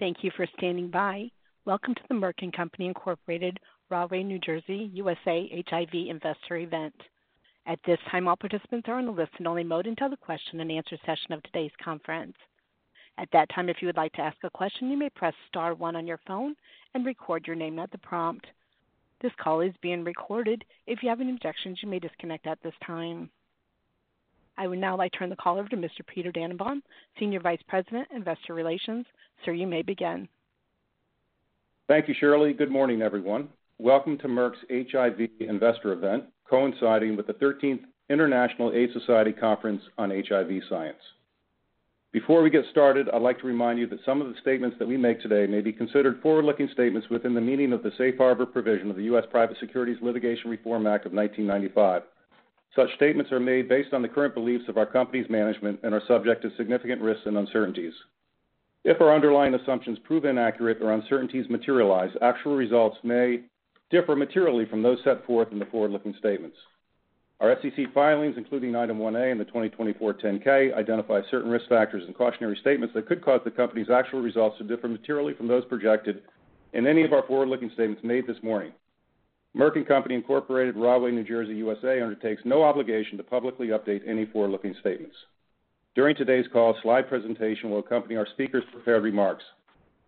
Thank you for standing by. Welcome to the Merck & Co., Rahway, New Jersey, USA HIV investor event. At this time, all participants are on a listen-only mode until the question-and-answer session of today's conference. At that time, if you would like to ask a question, you may press star one on your phone and record your name at the prompt. This call is being recorded. If you have any objections, you may disconnect at this time. I would now like to turn the call over to Mr. Peter Dannenbaum, Senior Vice President, Investor Relations. Sir, you may begin. Thank you, Shirley. Good morning, everyone. Welcome to Merck's HIV investor event, coinciding with the 13th International AIDS Society Conference on HIV Science. Before we get started, I'd like to remind you that some of the statements that we make today may be considered forward-looking statements within the meaning of the Safe Harbor provision of the U.S. Private Securities Litigation Reform Act of 1995. Such statements are made based on the current beliefs of our company's management and are subject to significant risks and uncertainties. If our underlying assumptions prove inaccurate or uncertainties materialize, actual results may differ materially from those set forth in the forward-looking statements. Our SEC filings, including item 1A in the 2024 10-K, identify certain risk factors and cautionary statements that could cause the company's actual results to differ materially from those projected in any of our forward-looking statements made this morning. Merck & Co., Rahway, New Jersey, USA undertakes no obligation to publicly update any forward-looking statements. During today's call, a slide presentation will accompany our speakers' prepared remarks.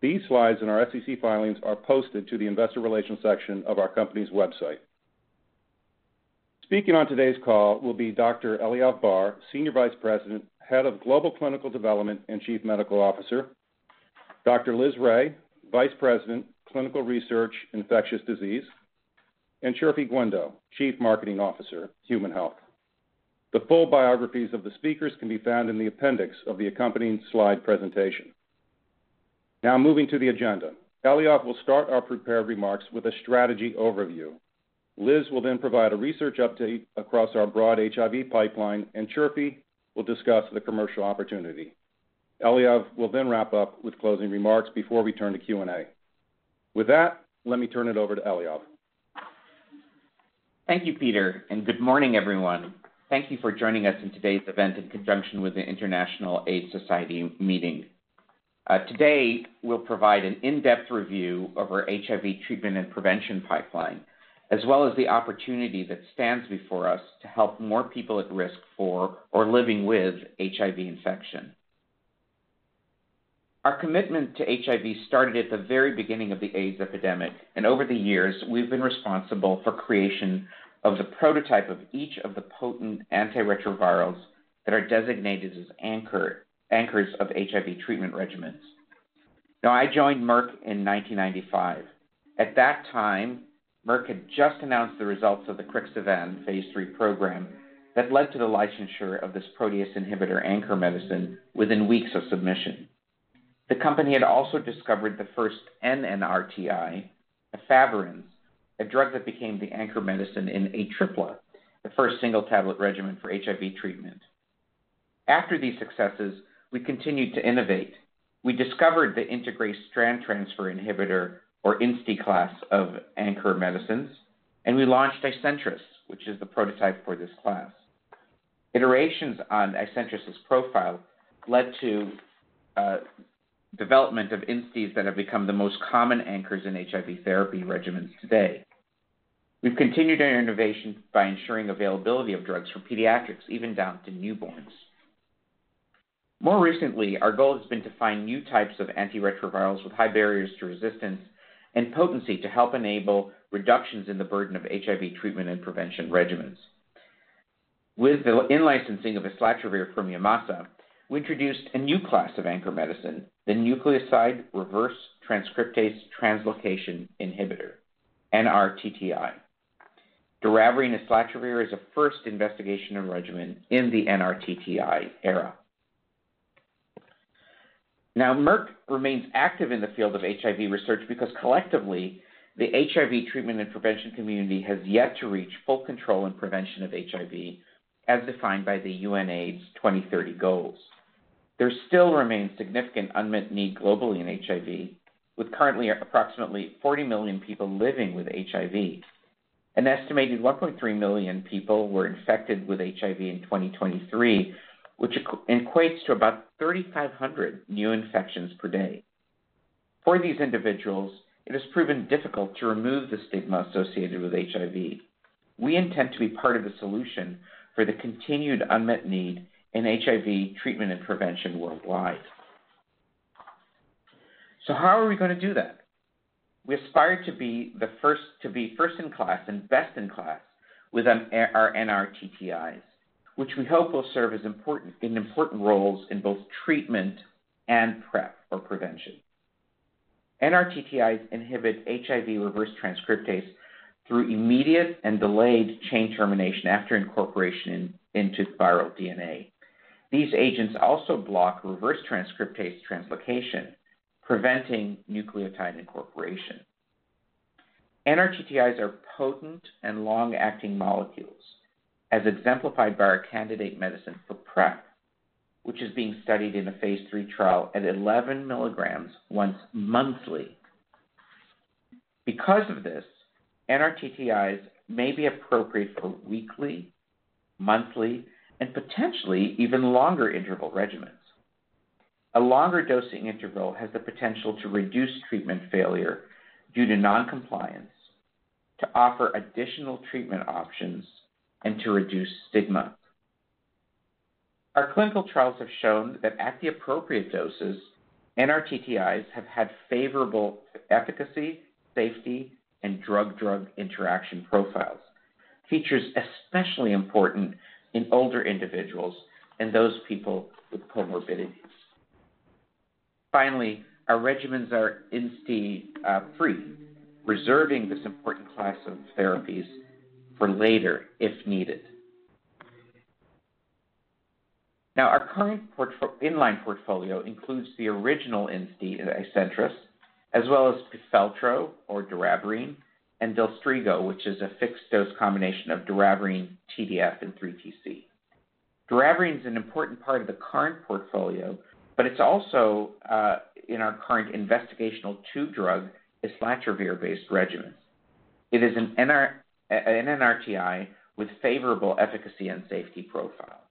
These slides and our SEC filings are posted to the investor relations section of our company's website. Speaking on today's call will be Dr. Eliav Barr, Senior Vice President, Head of Global Clinical Development and Chief Medical Officer; Dr. Liz Ray, Vice President, Clinical Research, Infectious Disease; and Chirfi Guindo, Chief Marketing Officer, Human Health. The full biographies of the speakers can be found in the appendix of the accompanying slide presentation. Now, moving to the agenda, Eliav will start our prepared remarks with a strategy overview. Liz will then provide a research update across our broad HIV pipeline, and Chirfi will discuss the commercial opportunity. Eliav will then wrap up with closing remarks before we turn to Q&A. With that, let me turn it over to Eliav. Thank you, Peter, and good morning, everyone. Thank you for joining us in today's event in conjunction with the International AIDS Society meeting. Today, we'll provide an in-depth review of our HIV treatment and prevention pipeline, as well as the opportunity that stands before us to help more people at risk for or living with HIV infection. Our commitment to HIV started at the very beginning of the AIDS epidemic, and over the years, we've been responsible for the creation of the prototype of each of the potent antiretrovirals that are designated as anchors of HIV treatment regimens. Now, I joined Merck in 1995. At that time, Merck had just announced the results of the Crixivan phase III program, that led to the licensure of this protease inhibitor anchor medicine within weeks of submission. The company had also discovered the first NNRTI, Efavirenz, a drug that became the anchor medicine in Atripla, the first single-tablet regimen for HIV treatment. After these successes, we continued to innovate. We discovered the integrase strand transfer inhibitor, or INSTI class, of anchor medicines, and we launched Isentress, which is the prototype for this class. Iterations on Isentress's profile led to the development of INSTIs that have become the most common anchors in HIV therapy regimens today. We've continued our innovation by ensuring availability of drugs for pediatrics, even down to newborns. More recently, our goal has been to find new types of antiretrovirals with high barriers to resistance and potency to help enable reductions in the burden of HIV treatment and prevention regimens. With the in-licensing of Islatravir we introduced a new class of anchor medicine, the nucleoside reverse transcriptase translocation inhibitor, NRTTI. Doravirine/islatravir is a first investigational regimen in the NRTTI era. Now, Merck remains active in the field of HIV research because collectively, the HIV treatment and prevention community has yet to reach full control and prevention of HIV, as defined by the UN AIDS 2030 goals. There still remains significant unmet need globally in HIV, with currently approximately 40 million people living with HIV. An estimated 1.3 million people were infected with HIV in 2023, which equates to about 3,500 new infections per day. For these individuals, it has proven difficult to remove the stigma associated with HIV. We intend to be part of the solution for the continued unmet need in HIV treatment and prevention worldwide. How are we going to do that? We aspire to be the first in class and best in class with our NRTTIs, which we hope will serve in important roles in both treatment and PrEP or prevention. NRTTIs inhibit HIV reverse transcriptase through immediate and delayed chain termination after incorporation into viral DNA. These agents also block reverse transcriptase translocation, preventing nucleotide incorporation. NRTTIs are potent and long-acting molecules, as exemplified by our candidate medicine for PrEP, which is being studied in a phase III trial at 11 mg once monthly. Because of this, NRTTIs may be appropriate for weekly, monthly, and potentially even longer interval regimens. A longer dosing interval has the potential to reduce treatment failure due to noncompliance, to offer additional treatment options, and to reduce stigma. Our clinical trials have shown that at the appropriate doses, NRTTIs have had favorable efficacy, safety, and drug-drug interaction profiles, features especially important in older individuals and those people with comorbidities. Finally, our regimens are INSTI-free, reserving this important class of therapies for later if needed. Now, our current in-line portfolio includes the original INSTI Isentress, as well as Pifeltro, or Doravirine, and Delstrigo, which is a fixed-dose combination of Doravirine, TDF, and 3TC. Doravirine is an important part of the current portfolio, but it's also in our current investigational two-drug Islatravir-based regimens. It is an NNRTI with favorable efficacy and safety profile.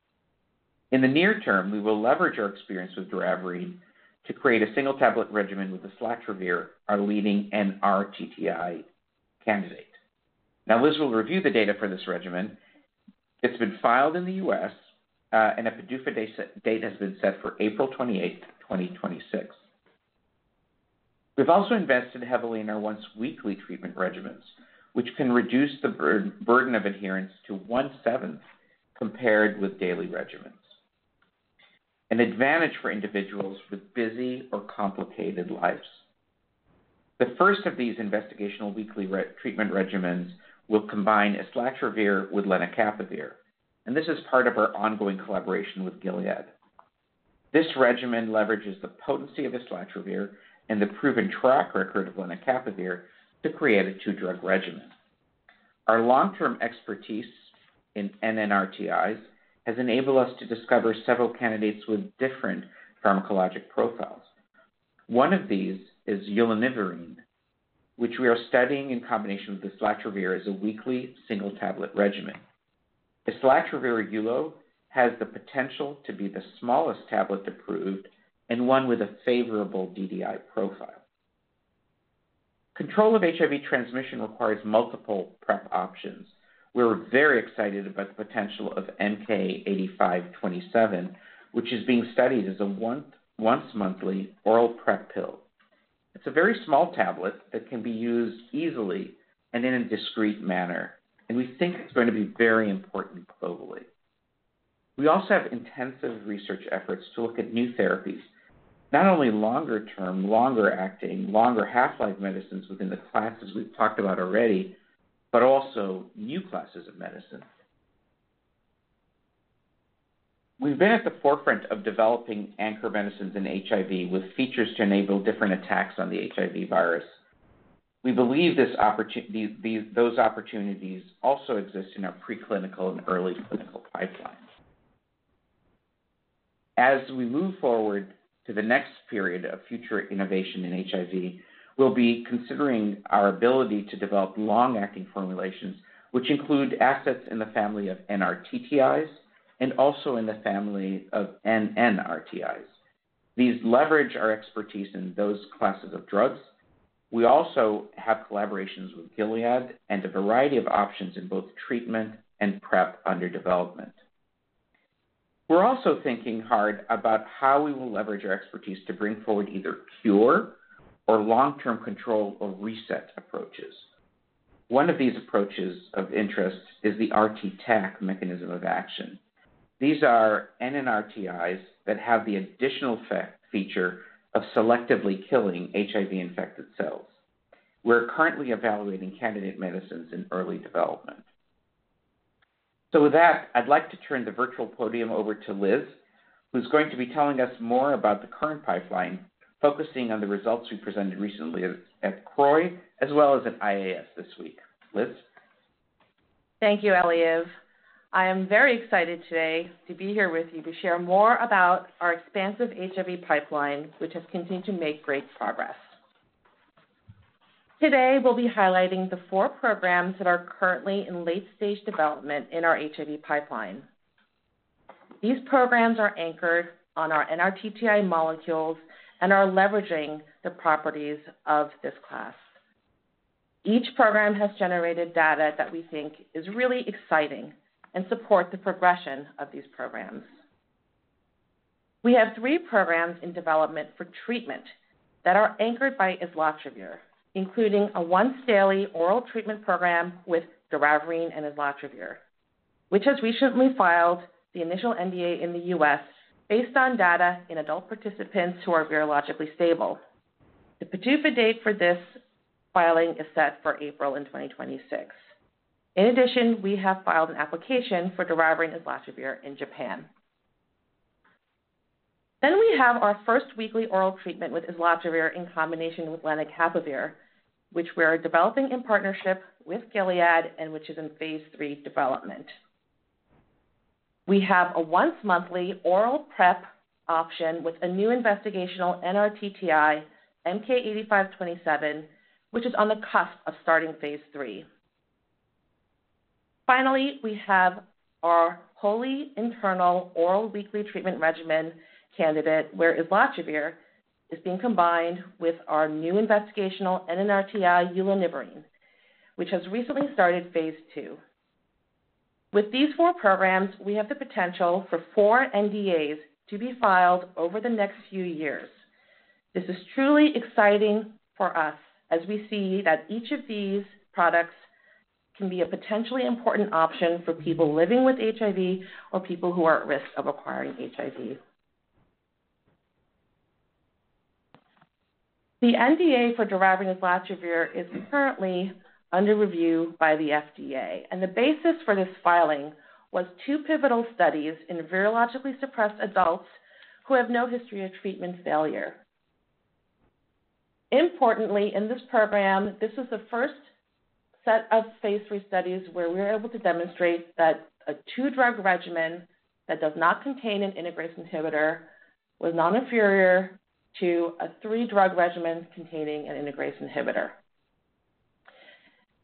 In the near term, we will leverage our experience with Doravirine to create a single-tablet regimen with Islatravir, our leading NRTTI candidate. Now, Liz will review the data for this regimen. It's been filed in the U.S., and a PDUFA date has been set for April 28, 2026. We've also invested heavily in our once-weekly treatment regimens, which can reduce the burden of adherence to one-seventh compared with daily regimens, an advantage for individuals with busy or complicated lives. The first of these investigational weekly treatment regimens will combine Islatravir with Lenacapavir, and this is part of our ongoing collaboration with Gilead. This regimen leverages the potency of Islatravir and the proven track record of Lenacapavir to create a two-drug regimen. Our long-term expertise in NNRTIs has enabled us to discover several candidates with different pharmacologic profiles. One of these is Ulonivirine, which we are studying in combination with Islatravir as a weekly single-tablet regimen. Islatravir Eulni has the potential to be the smallest tablet approved and one with a favorable DDI profile. Control of HIV transmission requires multiple PrEP options. We're very excited about the potential of MK-8527, which is being studied as a once-monthly oral PrEP pill. It's a very small tablet that can be used easily and in a discreet manner, and we think it's going to be very important globally. We also have intensive research efforts to look at new therapies, not only longer-term, longer-acting, longer half-life medicines within the classes we've talked about already, but also new classes of medicine. We've been at the forefront of developing anchor medicines in HIV with features to enable different attacks on the HIV virus. We believe those opportunities also exist in our preclinical and early clinical pipeline. As we move forward to the next period of future innovation in HIV, we'll be considering our ability to develop long-acting formulations, which include assets in the family of NRTTIs and also in the family of NNRTIs. These leverage our expertise in those classes of drugs. We also have collaborations with Gilead and a variety of options in both treatment and PrEP under development. We're also thinking hard about how we will leverage our expertise to bring forward either cure or long-term control or reset approaches. One of these approaches of interest is the RTTAC mechanism of action. These are NNRTIs that have the additional feature of selectively killing HIV-infected cells. We're currently evaluating candidate medicines in early development. With that, I'd like to turn the virtual podium over to Liz, who's going to be telling us more about the current pipeline, focusing on the results we presented recently at CROI, as well as at IAS this week. Liz? Thank you, Eliav. I am very excited today to be here with you to share more about our expansive HIV pipeline, which has continued to make great progress. Today, we'll be highlighting the four programs that are currently in late-stage development in our HIV pipeline. These programs are anchored on our NRTTI molecules and are leveraging the properties of this class. Each program has generated data that we think is really exciting and supports the progression of these programs. We have three programs in development for treatment that are anchored by Islatravir, including a once-daily oral treatment program with Doravirine and Islatravir, which has recently filed the initial NDA in the U.S. based on data in adult participants who are virologically stable. The PDUFA date for this filing is set for April in 2026. In addition, we have filed an application for Doravirine and Islatravir in Japan. We have our first weekly oral treatment with Islatravir in combination with Lenacapavir, which we are developing in partnership with Gilead and which is in phase III development. We have a once-monthly oral PrEP option with a new investigational NRTTI, MK-8527, which is on the cusp of starting phase III. Finally, we have our wholly internal oral weekly treatment regimen candidate where Islatravir is being combined with our new investigational NNRTI, Ulonivirine, which has recently started phase II. With these four programs, we have the potential for four NDAs to be filed over the next few years. This is truly exciting for us as we see that each of these products can be a potentially important option for people living with HIV or people who are at risk of acquiring HIV. The NDA for Doravirine and Islatravir is currently under review by the FDA, and the basis for this filing was two pivotal studies in virologically suppressed adults who have no history of treatment failure. Importantly, in this program, this was the first set of phase III studies where we were able to demonstrate that a two-drug regimen that does not contain an integrase inhibitor was not inferior to a three-drug regimen containing an integrase inhibitor.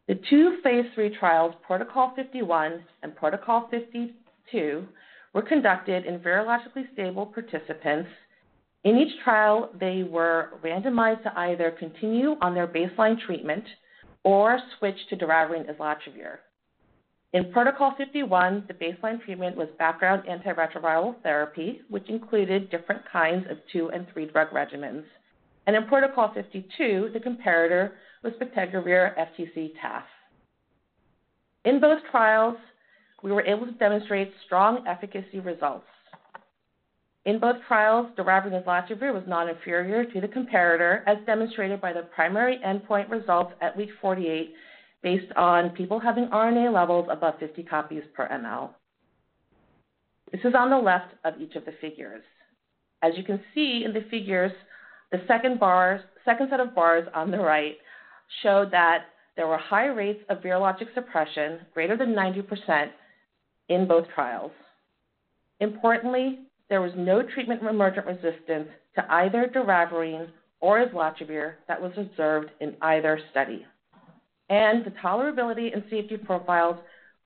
The two phase III trials, Protocol 51 and Protocol 52, were conducted in virologically stable participants. In each trial, they were randomized to either continue on their baseline treatment or switch to Doravirine and Islatravir in Protocol 51. The baseline treatment was background antiretroviral therapy, which included different kinds of two and three-drug regimens. In Protocol 52, the comparator was Biktarvy FTC/TAF. In both trials, we were able to demonstrate strong efficacy results. In both trials, Doravirine and Islatravir was not inferior to the comparator, as demonstrated by the primary endpoint results at week 48, based on people having RNA levels above 50 copies per mL. This is on the left of each of the figures. As you can see in the figures, the second set of bars on the right showed that there were high rates of virologic suppression, greater than 90%, in both trials. Importantly, there was no treatment emergent resistance to either Doravirine or Islatravir that was observed in either study. The tolerability and safety profiles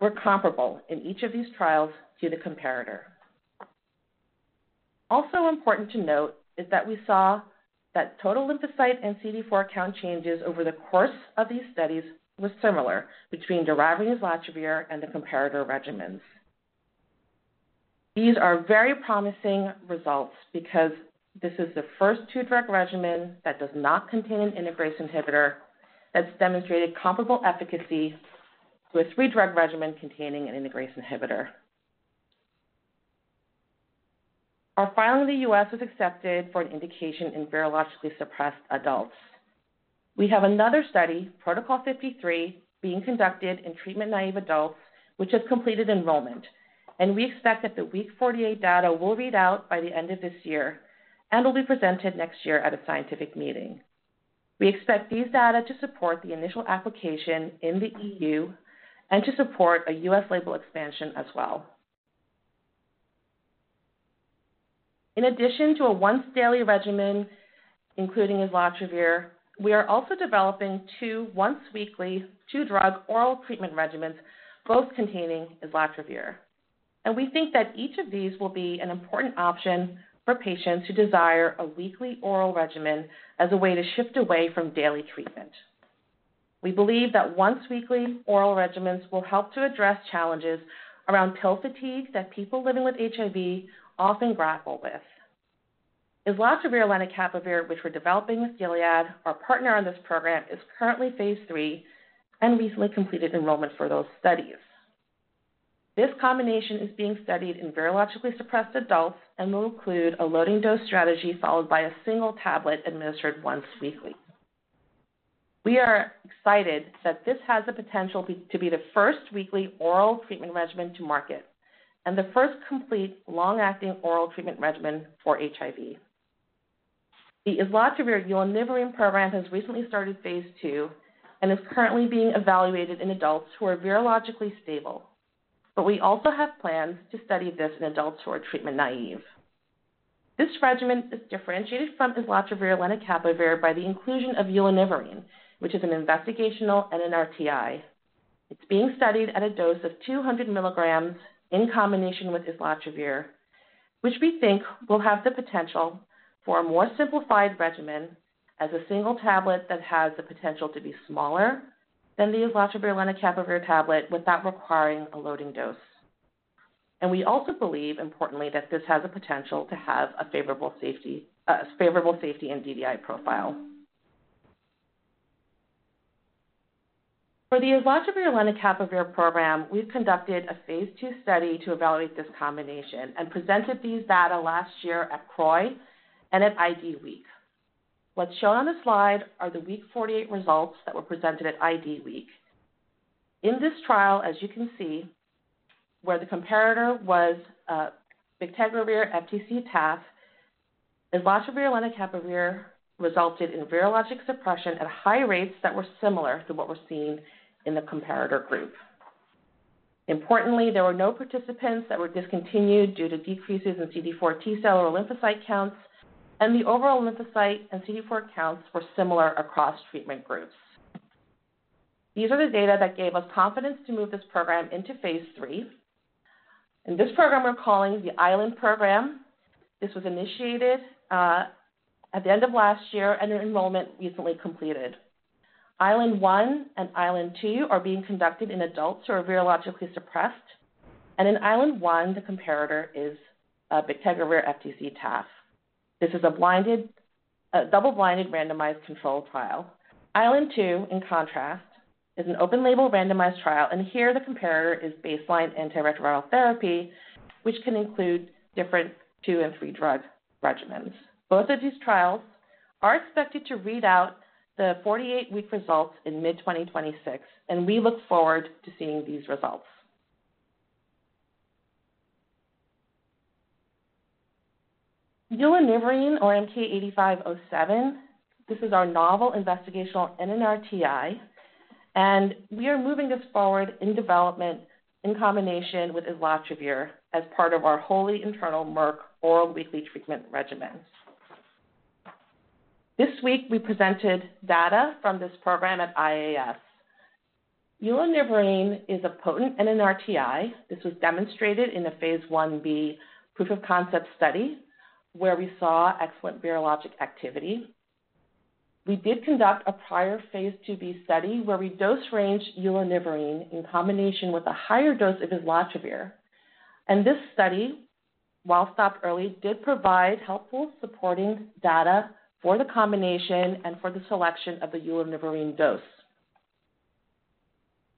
were comparable in each of these trials to the comparator. Also important to note is that we saw that total lymphocyte and CD4 count changes over the course of these studies were similar between Doravirine and Islatravir and the comparator regimens. These are very promising results because this is the first two-drug regimen that does not contain an integrase inhibitor that's demonstrated comparable efficacy to a three-drug regimen containing an integrase inhibitor. Our filing in the U.S. was accepted for an indication in virologically suppressed adults. We have another study, Protocol 53, being conducted in treatment-naive adults, which has completed enrollment. We expect that the week 48 data will read out by the end of this year and will be presented next year at a scientific meeting. We expect these data to support the initial application in the EU and to support a U.S. label expansion as well. In addition to a once-daily regimen including Islatravir, we are also developing two once-weekly two-drug oral treatment regimens, both containing Islatravir, and we think that each of these will be an important option for patients who desire a weekly oral regimen as a way to shift away from daily treatment. We believe that once-weekly oral regimens will help to address challenges around pill fatigue that people living with HIV often grapple with. Islatravir and Lenacapavir, which we're developing with Gilead, our partner on this program, is currently phase III and recently completed enrollment for those studies. This combination is being studied in virologically suppressed adults and will include a loading dose strategy followed by a single tablet administered once weekly. We are excited that this has the potential to be the first weekly oral treatment regimen to market and the first complete long-acting oral treatment regimen for HIV. The Islatravir/Ulonivirine program has recently started phase II and is currently being evaluated in adults who are virologically stable, but we also have plans to study this in adults who are treatment-naive. This regimen is differentiated from Islatravir/Lenacapavir by the inclusion of Ulonivirine, which is an investigational NNRTI. It's being studied at a dose of 200 milligrams in combination with Islatravir, which we think will have the potential for a more simplified regimen as a single tablet that has the potential to be smaller than the Islatravir/Lenacapavir tablet without requiring a loading dose. We also believe, importantly, that this has the potential to have a favorable safety and DDI profile. For the Islatravir/Lenacapavir program, we've conducted a phase II study to evaluate this combination and presented these data last year at CROI and at ID Week. What's shown on the slide are the week 48 results that were presented at ID Week. In this trial, as you can see, where the comparator was Biktarvy FTC/TAF, Islatravir and Lenacapavir resulted in virologic suppression at high rates that were similar to what we're seeing in the comparator group. Importantly, there were no participants that were discontinued due to decreases in CD4 T-cell or lymphocyte counts, and the overall lymphocyte and CD4 counts were similar across treatment groups. These are the data that gave us confidence to move this program into phase III. This program we're calling the ILN program. This was initiated at the end of last year and enrollment recently completed. ILN 1 and ILN 2 are being conducted in adults who are virologically suppressed, and in ILN 1, the comparator is Biktarvy FTC/TAF. This is a double-blinded randomized control trial. ILN 2, in contrast, is an open-label randomized trial, and here the comparator is baseline antiretroviral therapy, which can include different two and three-drug regimens. Both of these trials are expected to read out the 48-week results in mid-2026, and we look forward to seeing these results. Ulonivirine or MK-8507, this is our novel investigational NNRTI, and we are moving this forward in development in combination with Islatravir as part of our wholly internal Merck oral weekly treatment regimens. This week, we presented data from this program at IAS. Ulonivirineis a potent NNRTI. This was demonstrated in a phase 1b proof of concept study where we saw excellent virologic activity. We did conduct a prior phase IIb study where we dose-ranged Ulonivirine in combination with a higher dose of Islatravir, and this study, while stopped early, did provide helpful supporting data for the combination and for the selection of the Ulonivirine dose.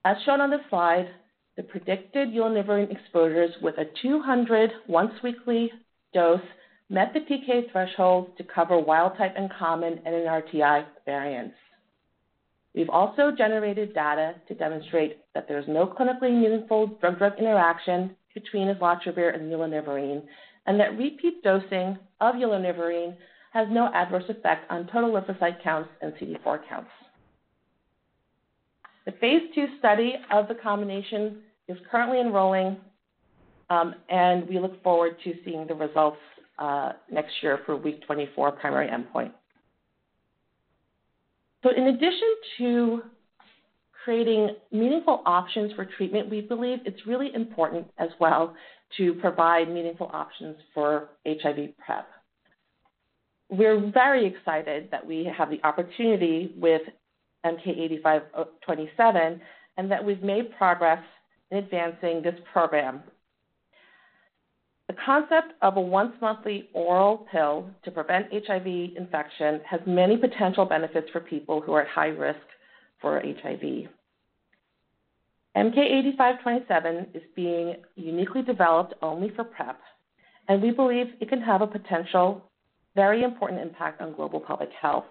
As shown on the slide, the predicted Ulonivirine exposures with a 200 once-weekly dose met the PK threshold to cover wild-type and common NNRTI variants. We've also generated data to demonstrate that there's no clinically meaningful drug-drug interaction between Islatravir and Ulonivirine and that repeat dosing of Ulonivirine has no adverse effect on total lymphocyte counts and CD4 counts. The phase II study of the combination is currently enrolling, and we look forward to seeing the results next year for week 24 primary endpoint. In addition to creating meaningful options for treatment, we believe it's really important as well to provide meaningful options for HIV PrEP. We're very excited that we have the opportunity with MK-8527 and that we've made progress in advancing this program. The concept of a once-monthly oral pill to prevent HIV infection has many potential benefits for people who are at high risk for HIV. MK-8527 is being uniquely developed only for PrEP, and we believe it can have a potential very important impact on global public health.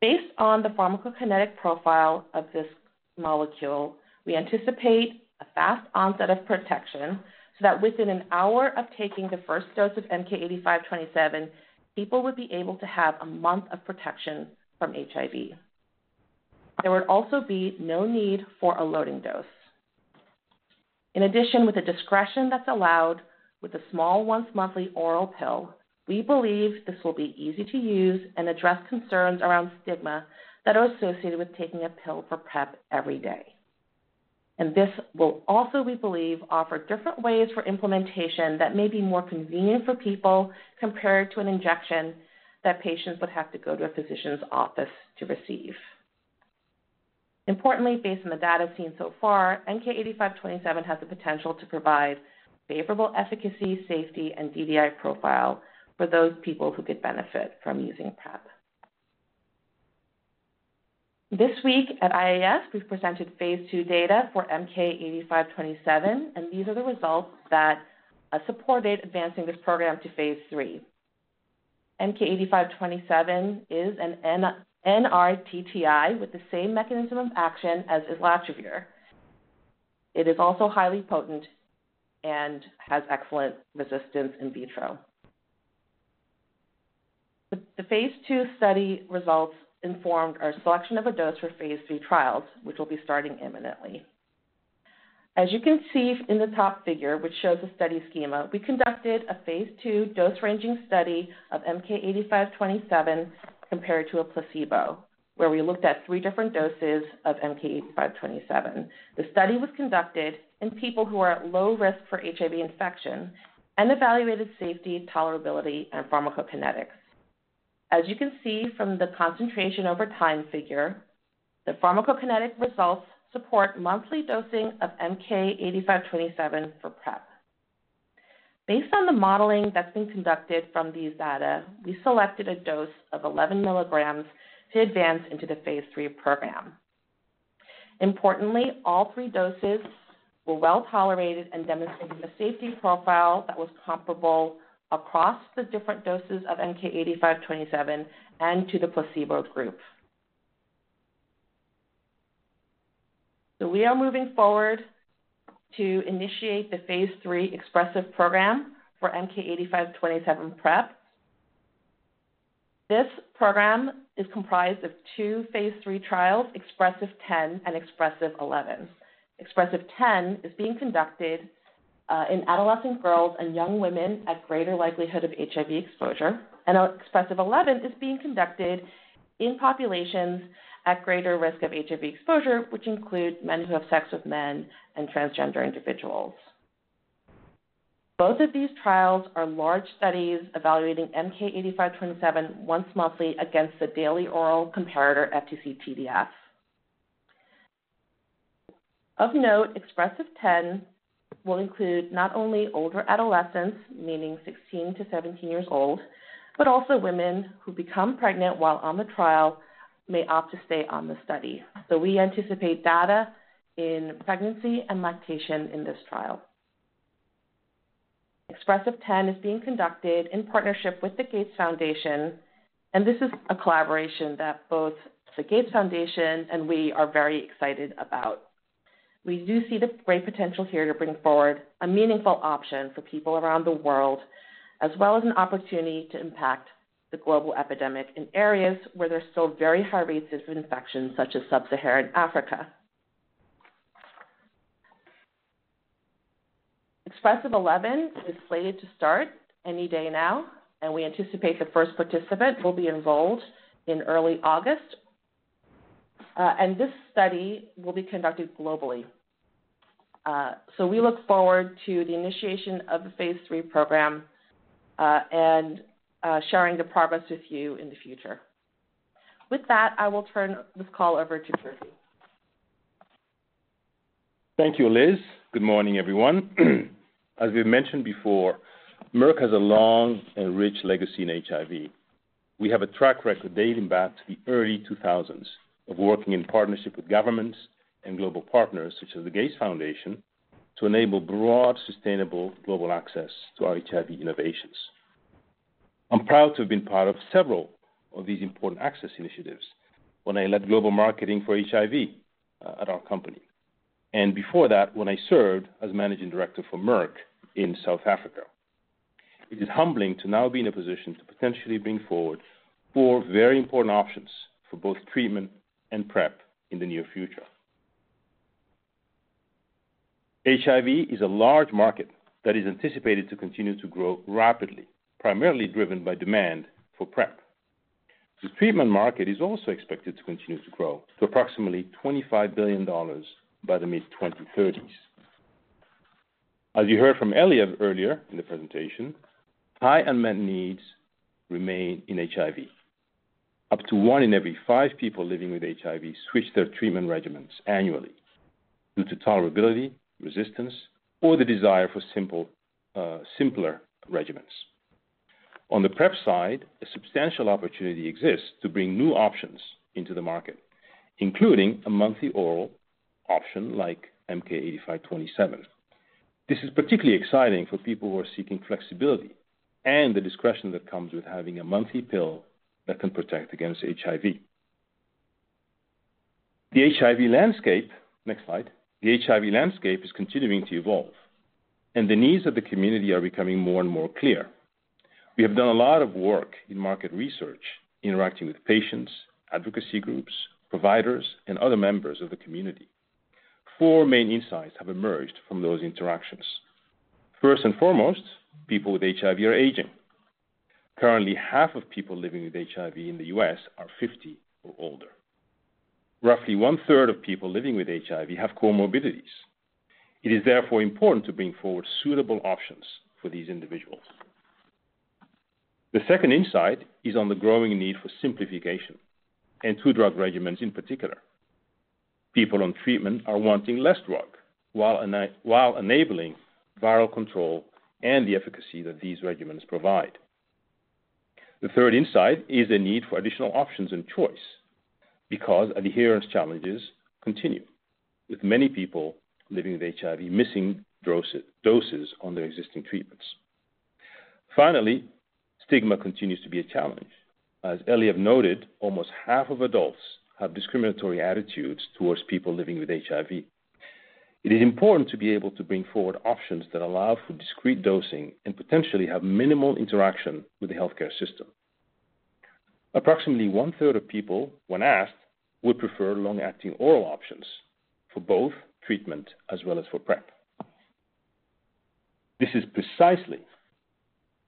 Based on the pharmacokinetic profile of this molecule, we anticipate a fast onset of protection so that within an hour of taking the first dose of MK-8527, people would be able to have a month of protection from HIV. There would also be no need for a loading dose. In addition, with the discretion that's allowed with a small once-monthly oral pill, we believe this will be easy to use and address concerns around stigma that are associated with taking a pill for PrEP every day. This will also, we believe, offer different ways for implementation that may be more convenient for people compared to an injection that patients would have to go to a physician's office to receive. Importantly, based on the data seen so far, MK-8527 has the potential to provide favorable efficacy, safety, and DDI profile for those people who could benefit from using PrEP. This week at IAS, we've presented phase II data for MK-8527, and these are the results that supported advancing this program to phase III. MK-8527 is an NRTTI with the same mechanism of action as Islatravir; it is also highly potent and has excellent resistance in vitro. The phase II study results informed our selection of a dose for phase III trials, which will be starting imminently. As you can see in the top figure, which shows the study schema, we conducted a phase II dose-ranging study of MK-8527 compared to a placebo where we looked at three different doses of MK-8527. The study was conducted in people who are at low risk for HIV infection and evaluated safety, tolerability, and pharmacokinetics. As you can see from the concentration over time figure, the pharmacokinetic results support monthly dosing of MK-8527 for PrEP. Based on the modeling that's been conducted from these data, we selected a dose of 11 milligrams to advance into the phase III program. Importantly, all three doses were well tolerated and demonstrated a safety profile that was comparable across the different doses of MK-8527 and to the placebo group. We are moving forward to initiate the phase III express PrEP program for MK-8527 PrEP. This program is comprised of two phase III trials, EXPRESS-10 and EXPRESS-11. EXPRESS-10 is being conducted in adolescent girls and young women at greater likelihood of HIV exposure, and EXPRESS-11 is being conducted in populations at greater risk of HIV exposure, which include men who have sex with men and transgender individuals. Both of these trials are large studies evaluating MK-8527 once monthly against the daily oral comparator FTC TDF. Of note, EXPRESS-10 will include not only older adolescents, meaning 16 to 17 years old, but also women who become pregnant while on the trial may opt to stay on the study. We anticipate data in pregnancy and lactation in this trial. EXPrESSIVE-10 is being conducted in partnership with the Gates Foundation, and this is a collaboration that both the Gates Foundation and we are very excited about. We do see the great potential here to bring forward a meaningful option for people around the world, as well as an opportunity to impact the global epidemic in areas where there are still very high rates of infection, such as sub-Saharan Africa. EXPrESSIVE-11 is slated to start any day now, and we anticipate the first participant will be enrolled in early August, and this study will be conducted globally. We look forward to the initiation of the phase III program and sharing the progress with you in the future. With that, I will turn this call over to Chirfi. Thank you, Liz. Good morning, everyone. As we have mentioned before, Merck has a long and rich legacy in HIV. We have a track record dating back to the early 2000s of working in partnership with governments and global partners, such as the Gates Foundation, to enable broad, sustainable global access to our HIV innovations. I'm proud to have been part of several of these important access initiatives when I led global marketing for HIV at our company and before that when I served as managing director for Merck in South Africa. It is humbling to now be in a position to potentially bring forward four very important options for both treatment and PrEP in the near future. HIV is a large market that is anticipated to continue to grow rapidly, primarily driven by demand for PrEP. The treatment market is also expected to continue to grow to approximately $25 billion by the mid-2030s. As you heard from Eliav earlier in the presentation, high unmet needs remain in HIV. Up to one in every five people living with HIV switch their treatment regimens annually due to tolerability, resistance, or the desire for simpler regimens. On the PrEP side, a substantial opportunity exists to bring new options into the market, including a monthly oral option like MK-8527. This is particularly exciting for people who are seeking flexibility and the discretion that comes with having a monthly pill that can protect against HIV. The HIV landscape, next slide, the HIV landscape is continuing to evolve, and the needs of the community are becoming more and more clear. We have done a lot of work in market research interacting with patients, advocacy groups, providers, and other members of the community. Four main insights have emerged from those interactions. First and foremost, people with HIV are aging. Currently, half of people living with HIV in the U.S. are 50 or older. Roughly one-third of people living with HIV have comorbidities. It is therefore important to bring forward suitable options for these individuals. The second insight is on the growing need for simplification and two drug regimens in particular. People on treatment are wanting less drug while enabling viral control and the efficacy that these regimens provide. The third insight is the need for additional options and choice because adherence challenges continue, with many people living with HIV missing doses on their existing treatments. Finally, stigma continues to be a challenge. As Eliav noted, almost half of adults have discriminatory attitudes towards people living with HIV. It is important to be able to bring forward options that allow for discreet dosing and potentially have minimal interaction with the healthcare system. Approximately one-third of people, when asked, would prefer long-acting oral options for both treatment as well as for PrEP. This is precisely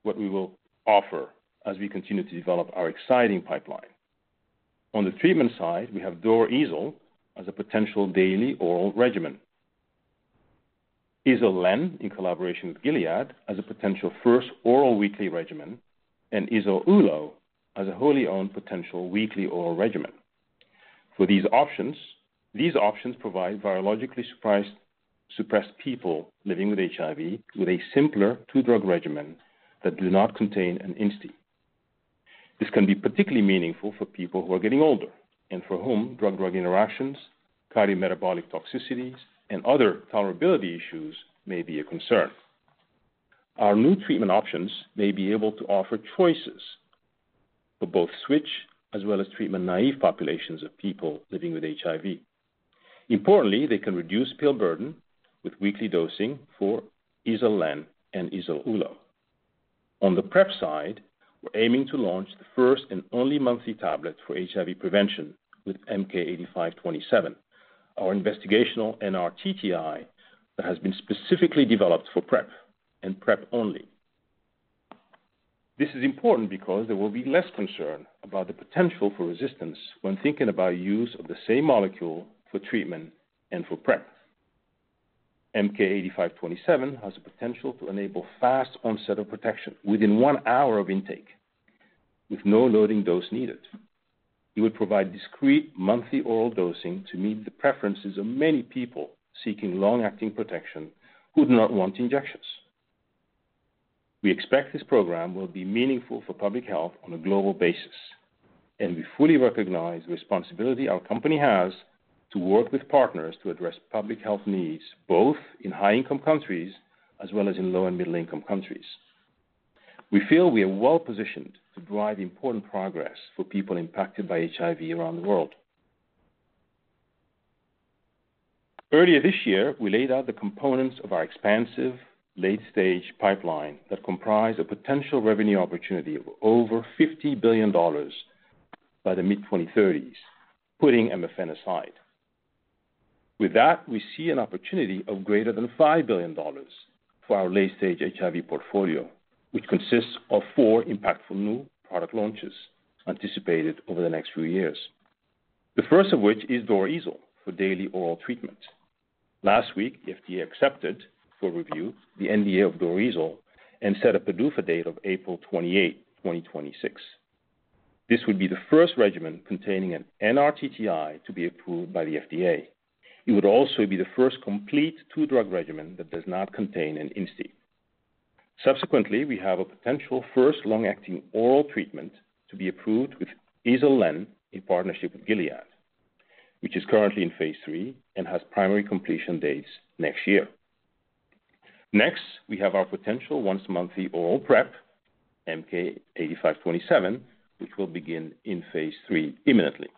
what we will offer as we continue to develop our exciting pipeline. On the treatment side, we have Doravirine/Islatravir as a potential daily oral regimen, Islatravir/Lenacapavir, in collaboration with Gilead, as a potential first oral weekly regimen, and Islatravir/Ulonivirine as a wholly owned potential weekly oral regimen. For these options, these options provide virologically suppressed people living with HIV with a simpler two-drug regimen that do not contain an INSTI. This can be particularly meaningful for people who are getting older and for whom drug-drug interactions, cardiometabolic toxicities, and other tolerability issues may be a concern. Our new treatment options may be able to offer choices for both switch as well as treatment naive populations of people living with HIV. Importantly, they can reduce pill burden with weekly dosing for Islatravir/Lenacapavir and Islatravir/Ulonivirine. On the PrEP side, we're aiming to launch the first and only monthly tablet for HIV prevention with MK-8527, our investigational NRTTI that has been specifically developed for PrEP and PrEP only. This is important because there will be less concern about the potential for resistance when thinking about use of the same molecule for treatment and for PrEP. MK-8527 has the potential to enable fast onset of protection within one hour of intake with no loading dose needed. It would provide discreet monthly oral dosing to meet the preferences of many people seeking long-acting protection who do not want injections. We expect this program will be meaningful for public health on a global basis, and we fully recognize the responsibility our company has to work with partners to address public health needs both in high-income countries as well as in low and middle-income countries. We feel we are well positioned to drive important progress for people impacted by HIV around the world. Earlier this year, we laid out the components of our expansive late-stage pipeline that comprise a potential revenue opportunity of over $50 billion by the mid-2030s, putting MFN aside. With that, we see an opportunity of greater than $5 billion for our late-stage HIV portfolio, which consists of four impactful new product launches anticipated over the next few years, the first of which is Doravirine/Islatravir for daily oral treatment. Last week, the FDA accepted for review the NDA of Doravirine/Islatravir and set a PDUFA date of April 28, 2026. This would be the first regimen containing an NRTTI to be approved by the FDA. It would also be the first complete two-drug regimen that does not contain an INSTI. Subsequently, we have a potential first long-acting oral treatment to be approved with EZOLEN in partnership with Gilead, which is currently in phase III and has primary completion dates next year. Next, we have our potential once-monthly oral PrEP, MK-8527, which will begin in phase III imminently.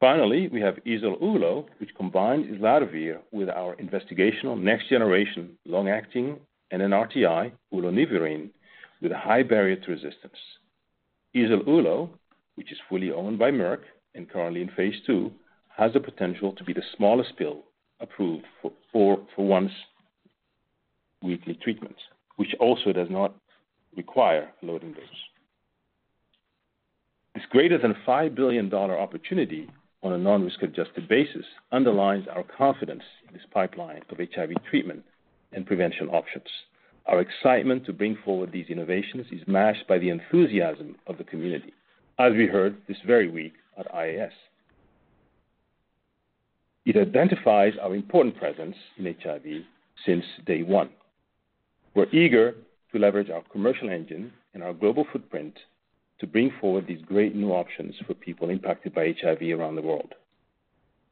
Finally, we have EZOULO, which combines Islatravir with our investigational next-generation long-acting NRTTI, Ulonivirine, with a high barrier to resistance. EZOULO, which is fully owned by Merck and currently in phase II, has the potential to be the smallest pill approved for once-weekly treatment, which also does not require loading dose. This greater than $5 billion opportunity on a non-risk-adjusted basis underlines our confidence in this pipeline of HIV treatment and prevention options. Our excitement to bring forward these innovations is matched by the enthusiasm of the community, as we heard this very week at IAS. It identifies our important presence in HIV since day one. We are eager to leverage our commercial engine and our global footprint to bring forward these great new options for people impacted by HIV around the world.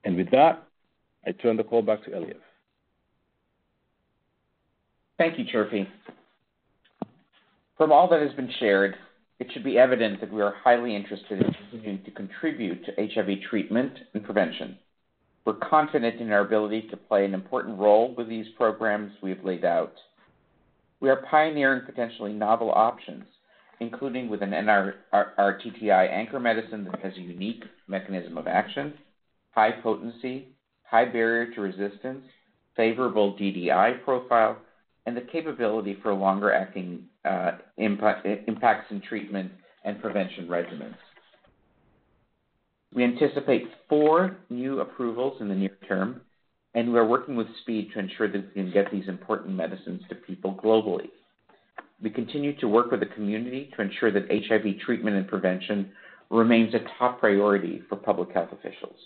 With that, I turn the call back to Eliav. Thank you, Chirfi. From all that has been shared, it should be evident that we are highly interested in continuing to contribute to HIV treatment and prevention. We are confident in our ability to play an important role with these programs we have laid out. We are pioneering potentially novel options, including with an NRTI anchor medicine that has a unique mechanism of action, high potency, high barrier to resistance, favorable DDI profile, and the capability for longer-acting impacts in treatment and prevention regimens. We anticipate four new approvals in the near term, and we are working with speed to ensure that we can get these important medicines to people globally. We continue to work with the community to ensure that HIV treatment and prevention remains a top priority for public health officials.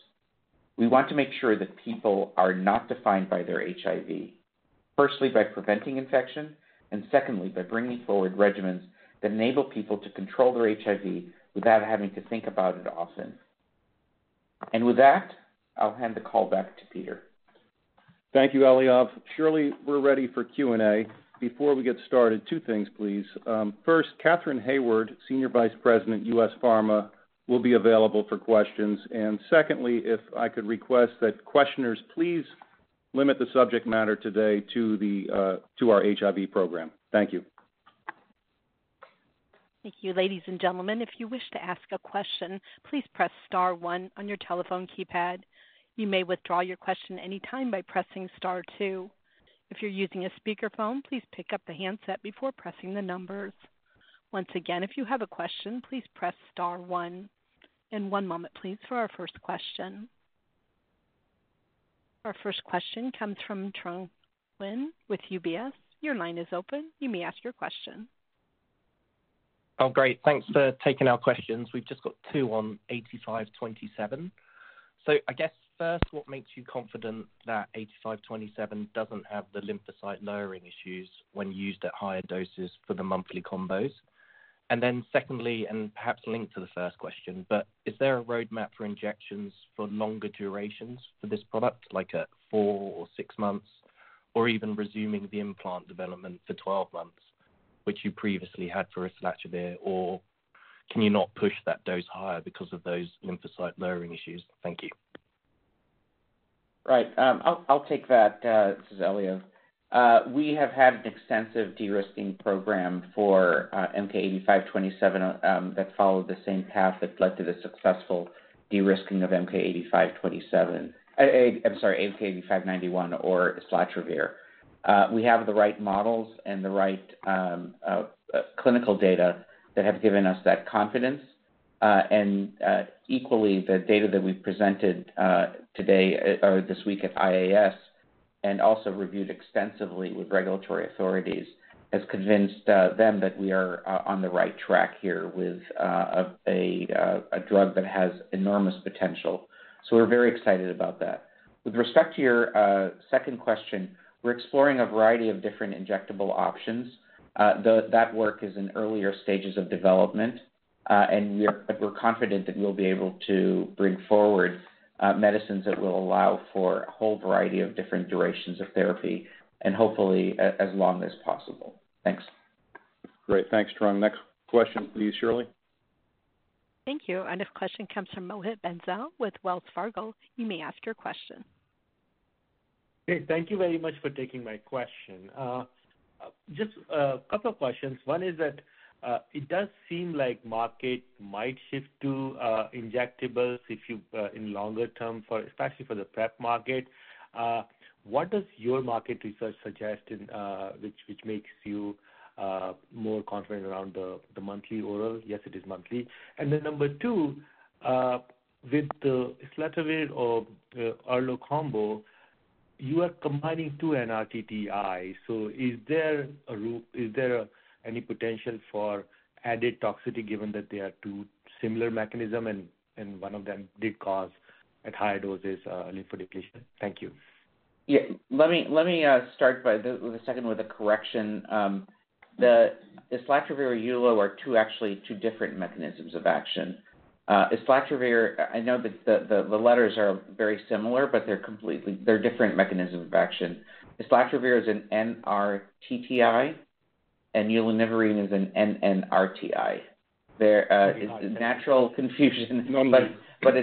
We want to make sure that people are not defined by their HIV, firstly by preventing infection and secondly by bringing forward regimens that enable people to control their HIV without having to think about it often. With that, I'll hand the call back to Peter. Thank you, Eliav. Surely, we're ready for Q&A. Before we get started, two things, please. First, Katherine Hayward, Senior Vice President, U.S. Pharma, will be available for questions. Secondly, if I could request that questioners please limit the subject matter today to our HIV program. Thank you. Thank you, ladies and gentlemen. If you wish to ask a question, please press star one on your telephone keypad. You may withdraw your question anytime by pressing star two. If you're using a speakerphone, please pick up the handset before pressing the numbers. Once again, if you have a question, please press star one. One moment, please, for our first question. Our first question comes from Trong Lin with UBS. Your line is open. You may ask your question. Oh, great. Thanks for taking our questions. We've just got two on 8527. I guess first, what makes you confident that 8527 doesn't have the lymphocyte lowering issues when used at higher doses for the monthly combos? Secondly, and perhaps linked to the first question, is there a roadmap for injections for longer durations for this product, like at four or six months, or even resuming the implant development for 12 months, which you previously had for Islatravir? Or can you not push that dose higher because of those lymphocyte lowering issues? Thank you. Right. I'll take that, Eliav. We have had an extensive de-risking program for MK-8527 that followed the same path that led to the successful de-risking of MK-8591, or Islatravir. We have the right models and the right clinical data that have given us that confidence. Equally, the data that we've presented today or this week at IAS and also reviewed extensively with regulatory authorities has convinced them that we are on the right track here with a drug that has enormous potential. We're very excited about that. With respect to your second question, we're exploring a variety of different injectable options. That work is in earlier stages of development, and we're confident that we'll be able to bring forward medicines that will allow for a whole variety of different durations of therapy and hopefully as long as possible. Thanks. Great. Thanks, Trong. Next question, please, Shirley. Thank you. A question comes from Mohit Benza with Wells Fargo. You may ask your question. Thank you very much for taking my question. Just a couple of questions. One is that it does seem like the market might shift to injectables in longer term, especially for the PrEP market. What does your market research suggest which makes you more confident around the monthly oral? Yes, it is monthly. Number two, with the Islatravir or Ulonivirine combo, you are combining two NRTTI. Is there any potential for added toxicity given that they are two similar mechanisms and one of them did cause, at higher doses, lymphodepletion? Thank you. Yeah. Let me start by the second with a correction. The Islatravir or Ulonivirine are actually two different mechanisms of action. Islatravir, I know that the letters are very similar, but they're different mechanisms of action. Islatravir is an NRTTI, and Ulonivirine is an NNRTI. There is natural confusion, but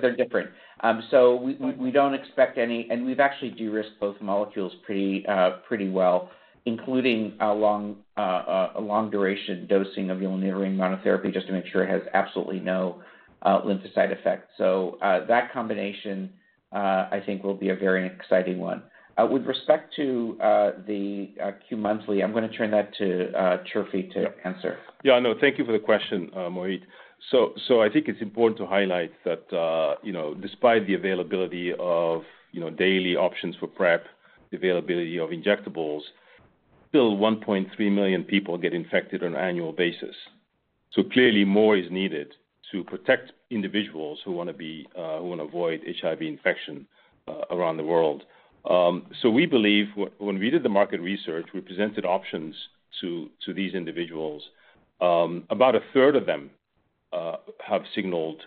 they're different. We do not expect any, and we've actually de-risked both molecules pretty well, including a long-duration dosing of Ulonivirine monotherapy just to make sure it has absolutely no lymphocyte effect. That combination, I think, will be a very exciting one. With respect to the Q monthly, I'm going to turn that to Chirfi to answer. Yeah. No, thank you for the question, Mohit. I think it's important to highlight that despite the availability of daily options for PrEP, the availability of injectables, still 1.3 million people get infected on an annual basis. Clearly, more is needed to protect individuals who want to avoid HIV infection around the world. We believe when we did the market research, we presented options to these individuals. About a third of them have signaled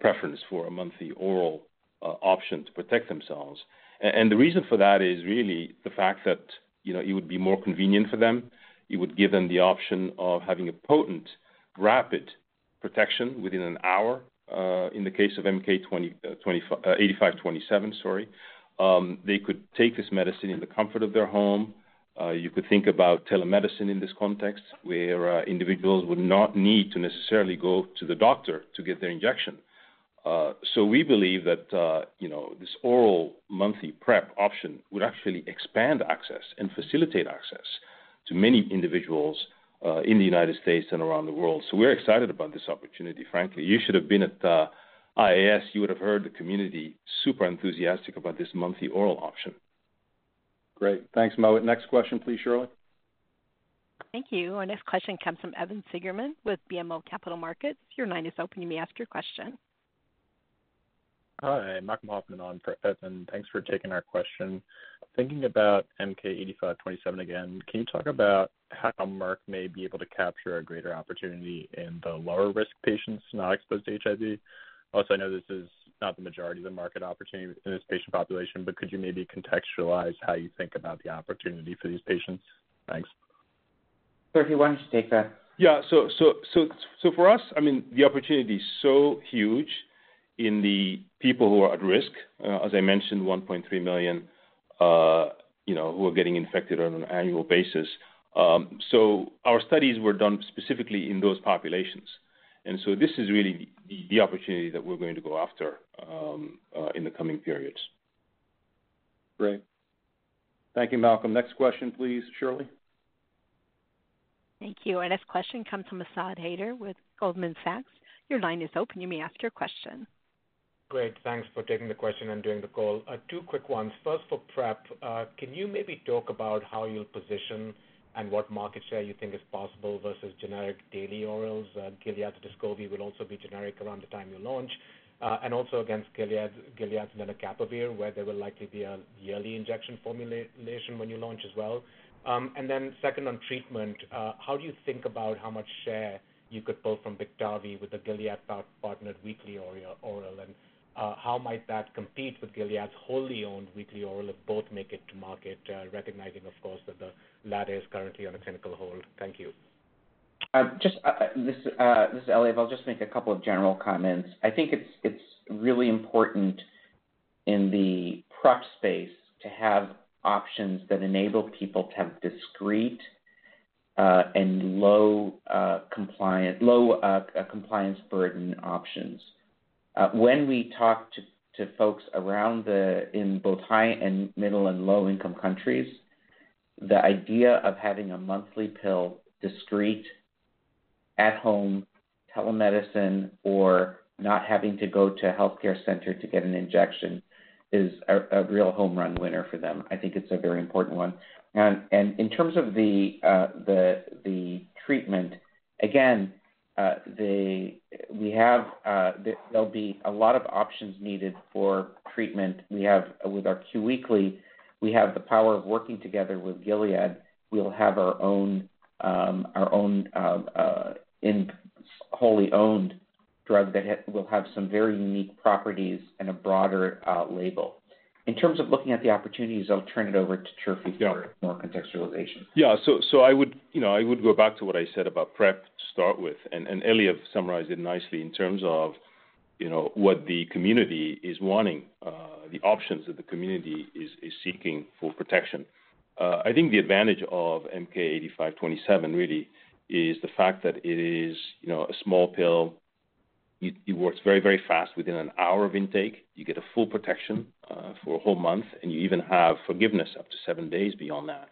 preference for a monthly oral option to protect themselves. The reason for that is really the fact that it would be more convenient for them. It would give them the option of having a potent, rapid protection within an hour. In the case of MK-8527, sorry, they could take this medicine in the comfort of their home. You could think about telemedicine in this context where individuals would not need to necessarily go to the doctor to get their injection. We believe that this oral monthly PrEP option would actually expand access and facilitate access to many individuals in the United States and around the world. We are excited about this opportunity, frankly. You should have been at IAS. You would have heard the community super enthusiastic about this monthly oral option. Great. Thanks, Mohit. Next question, please, Shirley. Thank you. Our next question comes from Evan Sigerman with BMO Capital Markets. Your line is open. You may ask your question. Hi. Mark Hoffman on for Evan. Thanks for taking our question. Thinking about MK-8527 again, can you talk about how Merck may be able to capture a greater opportunity in the lower-risk patients not exposed to HIV? Also, I know this is not the majority of the market opportunity in this patient population, but could you maybe contextualize how you think about the opportunity for these patients? Thanks. Chirfi, why do not you take that? Yeah. For us, I mean, the opportunity is so huge in the people who are at risk, as I mentioned, 1.3 million who are getting infected on an annual basis. Our studies were done specifically in those populations. This is really the opportunity that we are going to go after in the coming periods. Great. Thank you, Malcolm. Next question, please, Shirley. Thank you. Our next question comes from Ahsaad Haider with Goldman Sachs. Your line is open. You may ask your question. Great. Thanks for taking the question and doing the call. Two quick ones. First, for PrEP, can you maybe talk about how you'll position and what market share you think is possible versus generic daily orals? Gilead's Discovery will also be generic around the time you launch. Also against Gilead's Lenacapavir, where there will likely be a yearly injection formulation when you launch as well. Second, on treatment, how do you think about how much share you could pull from Biktarvy with the Gilead-partnered weekly oral? How might that compete with Gilead's wholly-owned weekly oral if both make it to market, recognizing, of course, that the latter is currently on a clinical hold? Thank you. This is Eliav. I'll just make a couple of general comments. I think it's really important in the PrEP space to have options that enable people to have discrete and low-compliance burden options. When we talk to folks in both high and middle and low-income countries, the idea of having a monthly pill discrete at home, telemedicine, or not having to go to a healthcare center to get an injection is a real home run winner for them. I think it's a very important one. In terms of the treatment, again, there'll be a lot of options needed for treatment. With our Q weekly, we have the power of working together with Gilead. We'll have our own wholly-owned drug that will have some very unique properties and a broader label. In terms of looking at the opportunities, I'll turn it over to Chirfi for more contextualization. Yeah. I would go back to what I said about PrEP to start with. Eliav summarized it nicely in terms of what the community is wanting, the options that the community is seeking for protection. I think the advantage of MK-8527 really is the fact that it is a small pill. It works very, very fast within an hour of intake. You get full protection for a whole month, and you even have forgiveness up to seven days beyond that.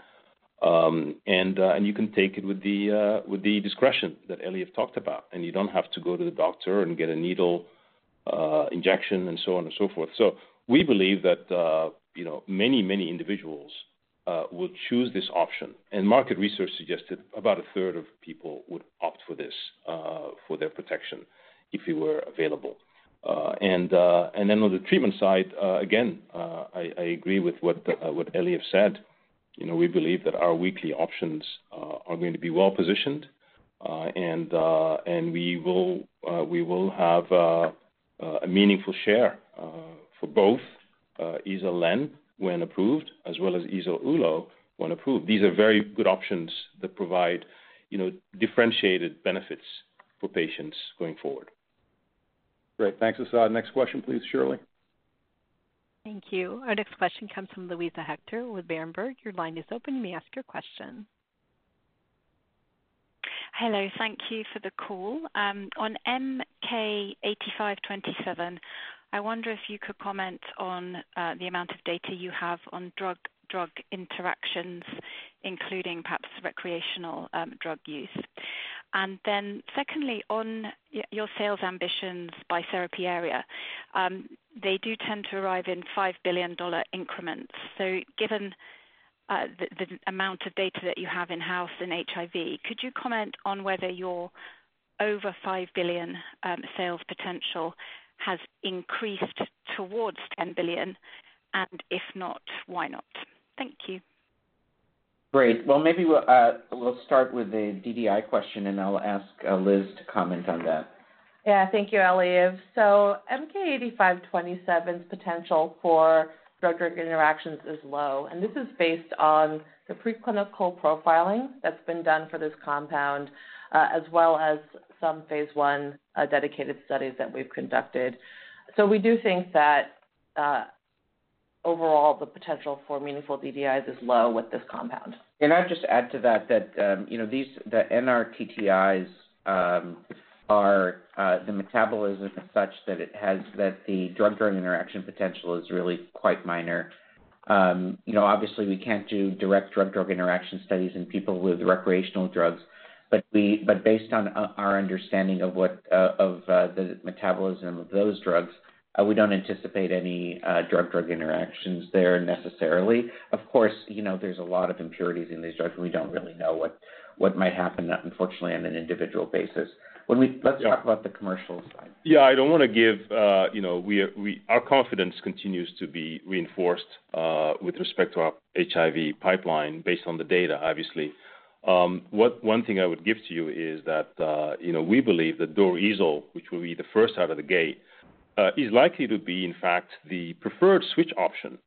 You can take it with the discretion that Eliav talked about. You do not have to go to the doctor and get a needle injection and so on and so forth. We believe that many, many individuals will choose this option. Market research suggested about a third of people would opt for this for their protection if it were available. On the treatment side, again, I agree with what Eliav said. We believe that our weekly options are going to be well-positioned, and we will have a meaningful share for both EZOLEN when approved as well as EZOULO when approved. These are very good options that provide differentiated benefits for patients going forward. Great. Thanks, Ahsaad. Next question, please, Shirley. Thank you. Our next question comes from Louisa Hector with Berenberg. Your line is open. You may ask your question. Hello. Thank you for the call. On MK-8527, I wonder if you could comment on the amount of data you have on drug-to-drug interactions, including perhaps recreational drug use. And then secondly, on your sales ambitions by therapy area, they do tend to arrive in $5 billion increments. Given the amount of data that you have in-house in HIV, could you comment on whether your over $5 billion sales potential has increased towards $10 billion? If not, why not? Thank you. Great. Maybe we'll start with a DDI question, and I'll ask Liz to comment on that. Yeah. Thank you, Eliav. MK-8527's potential for drug-drug interactions is low. This is based on the preclinical profiling that's been done for this compound as well as some phase one dedicated studies that we've conducted. We do think that overall, the potential for meaningful DDIs is low with this compound. I'd just add to that that the NRTIs are, the metabolism is such that the drug-drug interaction potential is really quite minor. Obviously, we can't do direct drug-drug interaction studies in people with recreational drugs. Based on our understanding of the metabolism of those drugs, we don't anticipate any drug-drug interactions there necessarily. Of course, there's a lot of impurities in these drugs, and we don't really know what might happen, unfortunately, on an individual basis. Let's talk about the commercial side. Yeah. I don't want to give our confidence continues to be reinforced with respect to our HIV pipeline based on the data, obviously. One thing I would give to you is that we believe that DUREZOL, which will be the first out of the gate, is likely to be, in fact, the preferred switch option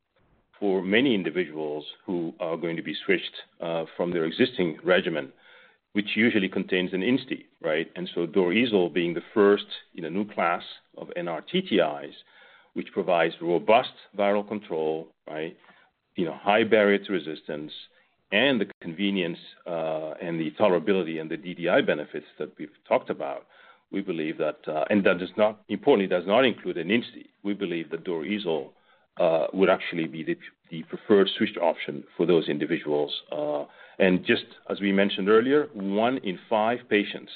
for many individuals who are going to be switched from their existing regimen, which usually contains an INSTI, right? DUREZOL being the first in a new class of NRTIs, which provides robust viral control, high barrier to resistance, and the convenience and the tolerability and the DDI benefits that we've talked about, we believe that—and importantly, it does not include an INSTI—we believe that DUREZOL would actually be the preferred switch option for those individuals. Just as we mentioned earlier, one in five patients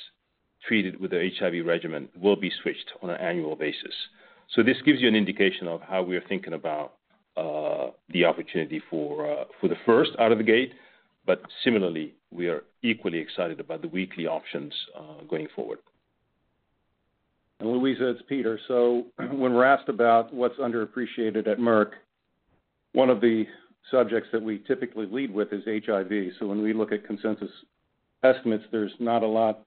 treated with the HIV regimen will be switched on an annual basis. This gives you an indication of how we are thinking about the opportunity for the first out of the gate. Similarly, we are equally excited about the weekly options going forward. Louisa, it's Peter. When we're asked about what's underappreciated at Merck, one of the subjects that we typically lead with is HIV. When we look at consensus estimates, there's not a lot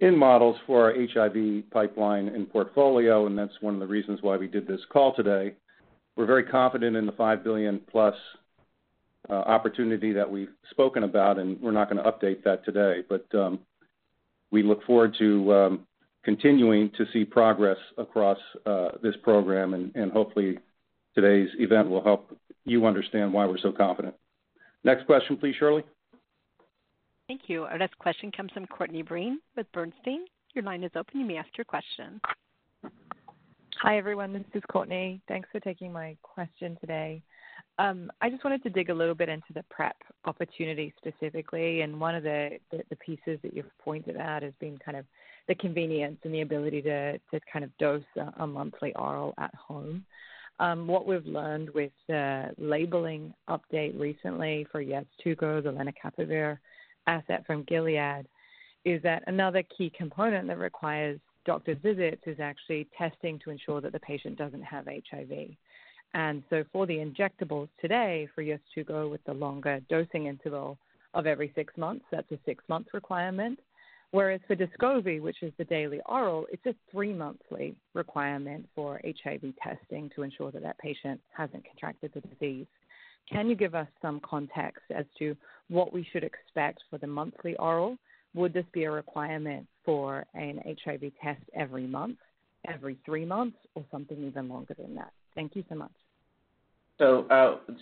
in models for our HIV pipeline and portfolio. That is one of the reasons why we did this call today. We are very confident in the $5 billion+ opportunity that we've spoken about, and we're not going to update that today. We look forward to continuing to see progress across this program. Hopefully, today's event will help you understand why we're so confident. Next question, please, Shirley. Thank you. Our next question comes from Courtney Breen with Bernstein. Your line is open. You may ask your question. Hi, everyone. This is Courtney. Thanks for taking my question today. I just wanted to dig a little bit into the PrEP opportunity specifically. One of the pieces that you've pointed out as being kind of the convenience and the ability to kind of dose a monthly oral at home. What we've learned with the labeling update recently for YEZTugo, the Lenacapavir asset from Gilead, is that another key component that requires doctor's visits is actually testing to ensure that the patient doesn't have HIV. For the injectables today, for YEZTugo with the longer dosing interval of every six months, that's a six-month requirement. Whereas for Discovery, which is the daily oral, it's a three-monthly requirement for HIV testing to ensure that that patient hasn't contracted the disease. Can you give us some context as to what we should expect for the monthly oral? Would this be a requirement for an HIV test every month, every three months, or something even longer than that? Thank you so much.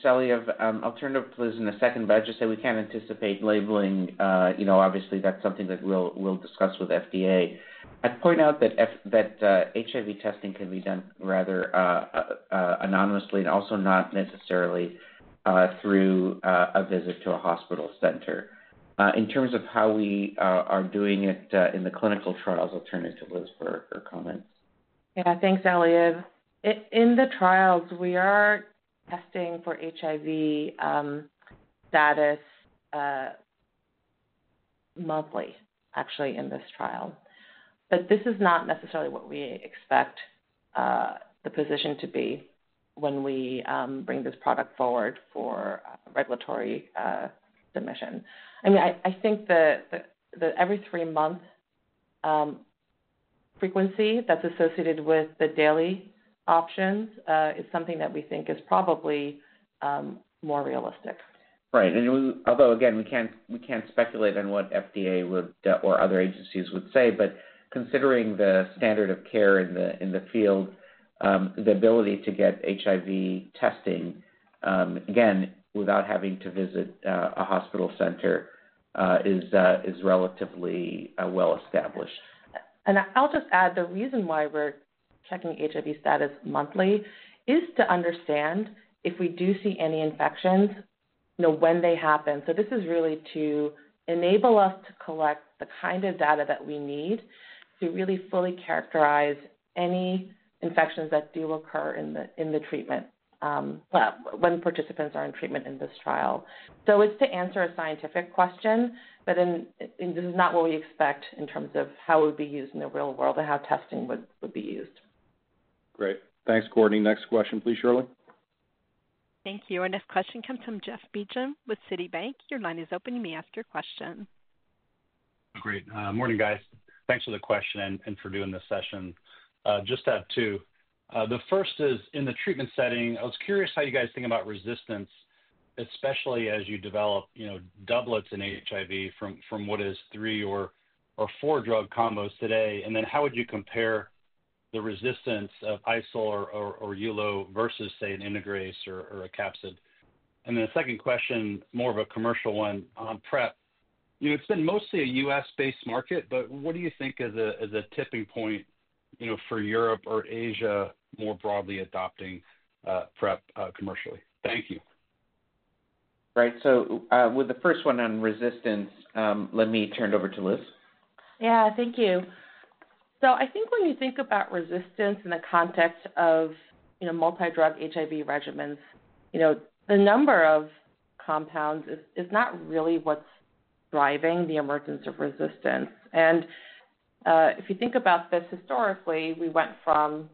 Sally, I'll turn it over to Liz in a second, but I'll just say we can't anticipate labeling. Obviously, that's something that we'll discuss with FDA. I'd point out that HIV testing can be done rather anonymously and also not necessarily through a visit to a hospital center. In terms of how we are doing it in the clinical trials, I'll turn it to Liz for her comments. Yeah. Thanks, Eliav. In the trials, we are testing for HIV status monthly, actually, in this trial. This is not necessarily what we expect the position to be when we bring this product forward for regulatory submission. I mean, I think that every three-month frequency that is associated with the daily options is something that we think is probably more realistic. Right. Although, again, we cannot speculate on what FDA or other agencies would say, considering the standard of care in the field, the ability to get HIV testing, again, without having to visit a hospital center, is relatively well-established. I will just add the reason why we are checking HIV status monthly is to understand if we do see any infections, when they happen. This is really to enable us to collect the kind of data that we need to really fully characterize any infections that do occur in the treatment when participants are in treatment in this trial. So it's to answer a scientific question, but this is not what we expect in terms of how it would be used in the real world and how testing would be used. Great. Thanks, Courtney. Next question, please, Shirley. Thank you. Our next question comes from Jeff Beecham with Citibank. Your line is open. You may ask your question. Great. Morning, guys. Thanks for the question and for doing this session. Just have two. The first is in the treatment setting, I was curious how you guys think about resistance, especially as you develop doublets in HIV from what is three or four drug combos today. And then how would you compare the resistance of Isol or EULO versus, say, an Integrase or a CAPSID? And then the second question, more of a commercial one on PrEP. It's been mostly a U.S.-based market, but what do you think is a tipping point for Europe or Asia more broadly adopting PrEP commercially? Thank you. Right. With the first one on resistance, let me turn it over to Liz. Yeah. Thank you. I think when you think about resistance in the context of multi-drug HIV regimens, the number of compounds is not really what's driving the emergence of resistance. If you think about this historically, we went from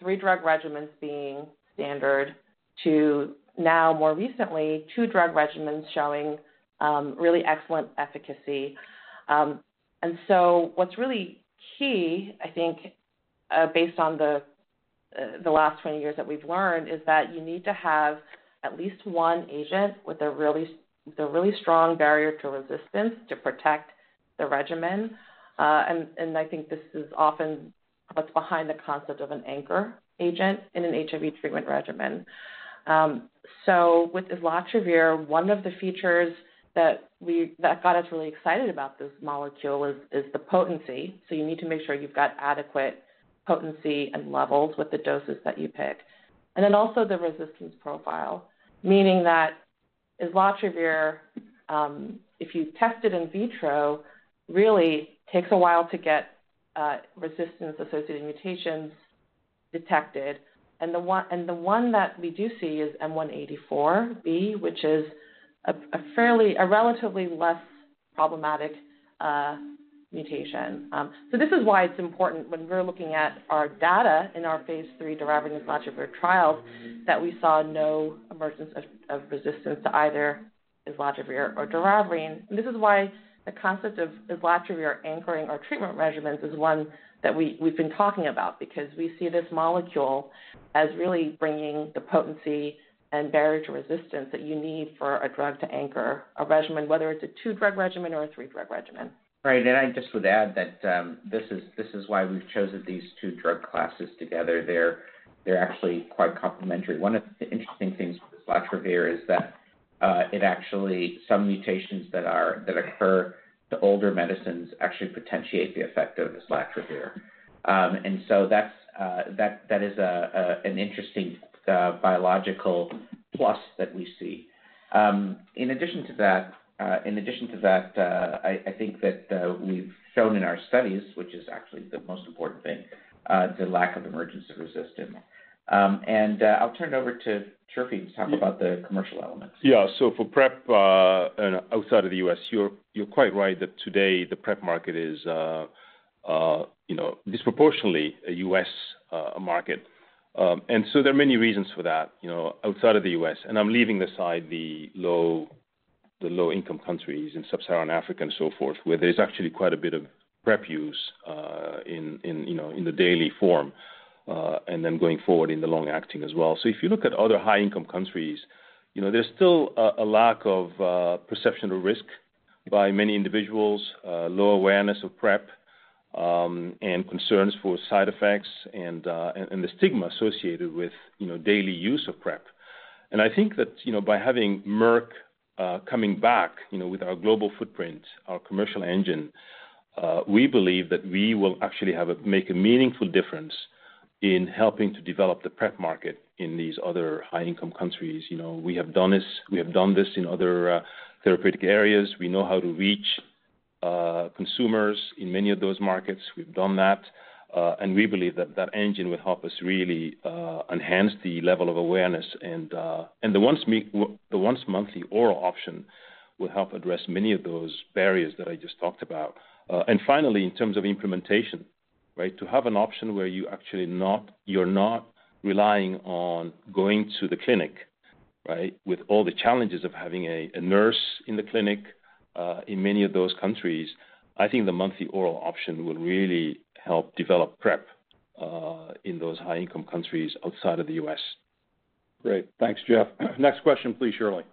three drug regimens being standard to now, more recently, two drug regimens showing really excellent efficacy. What's really key, I think, based on the last 20 years that we've learned, is that you need to have at least one agent with a really strong barrier to resistance to protect the regimen. I think this is often what's behind the concept of an anchor agent in an HIV treatment regimen. With Islatravir, one of the features that got us really excited about this molecule is the potency. You need to make sure you've got adequate potency and levels with the doses that you pick. Also, the resistance profile, meaning that Islatravir, if you test it in vitro, really takes a while to get resistance-associated mutations detected. The one that we do see is M184B, which is a relatively less problematic mutation. This is why it's important when we're looking at our data in our phase three Doravirine and Islatravir trials that we saw no emergence of resistance to either Islatravir or Doravirine. This is why the concept of EZOLOTRIVIR anchoring our treatment regimens is one that we've been talking about because we see this molecule as really bringing the potency and barrier to resistance that you need for a drug to anchor a regimen, whether it's a two-drug regimen or a three-drug regimen. Right. I just would add that this is why we've chosen these two drug classes together. They're actually quite complementary. One of the interesting things with EZOLOTRIVIR is that it actually, some mutations that occur to older medicines actually potentiate the effect of EZOLOTRIVIR. That is an interesting biological plus that we see. In addition to that, I think that we've shown in our studies, which is actually the most important thing, the lack of emergence of resistance. I'll turn it over to Turfy to talk about the commercial elements. Yeah. For PrEP outside of the U.S., you're quite right that today the PrEP market is disproportionately a U.S. market. There are many reasons for that outside of the U.S. I'm leaving aside the low-income countries in Sub-Saharan Africa and so forth, where there's actually quite a bit of PrEP use in the daily form and then going forward in the long-acting as well. If you look at other high-income countries, there's still a lack of perception of risk by many individuals, low awareness of PrEP, and concerns for side effects and the stigma associated with daily use of PrEP. I think that by having Merck coming back with our global footprint, our commercial engine, we believe that we will actually make a meaningful difference in helping to develop the PrEP market in these other high-income countries. We have done this. We have done this in other therapeutic areas. We know how to reach consumers in many of those markets. We've done that. We believe that that engine will help us really enhance the level of awareness. The once-monthly oral option will help address many of those barriers that I just talked about. Finally, in terms of implementation, right, to have an option where you're not relying on going to the clinic, right, with all the challenges of having a nurse in the clinic in many of those countries, I think the monthly oral option will really help develop PrEP in those high-income countries outside of the U.S. Great. Thanks, Jeff. Next question, please, Shirley.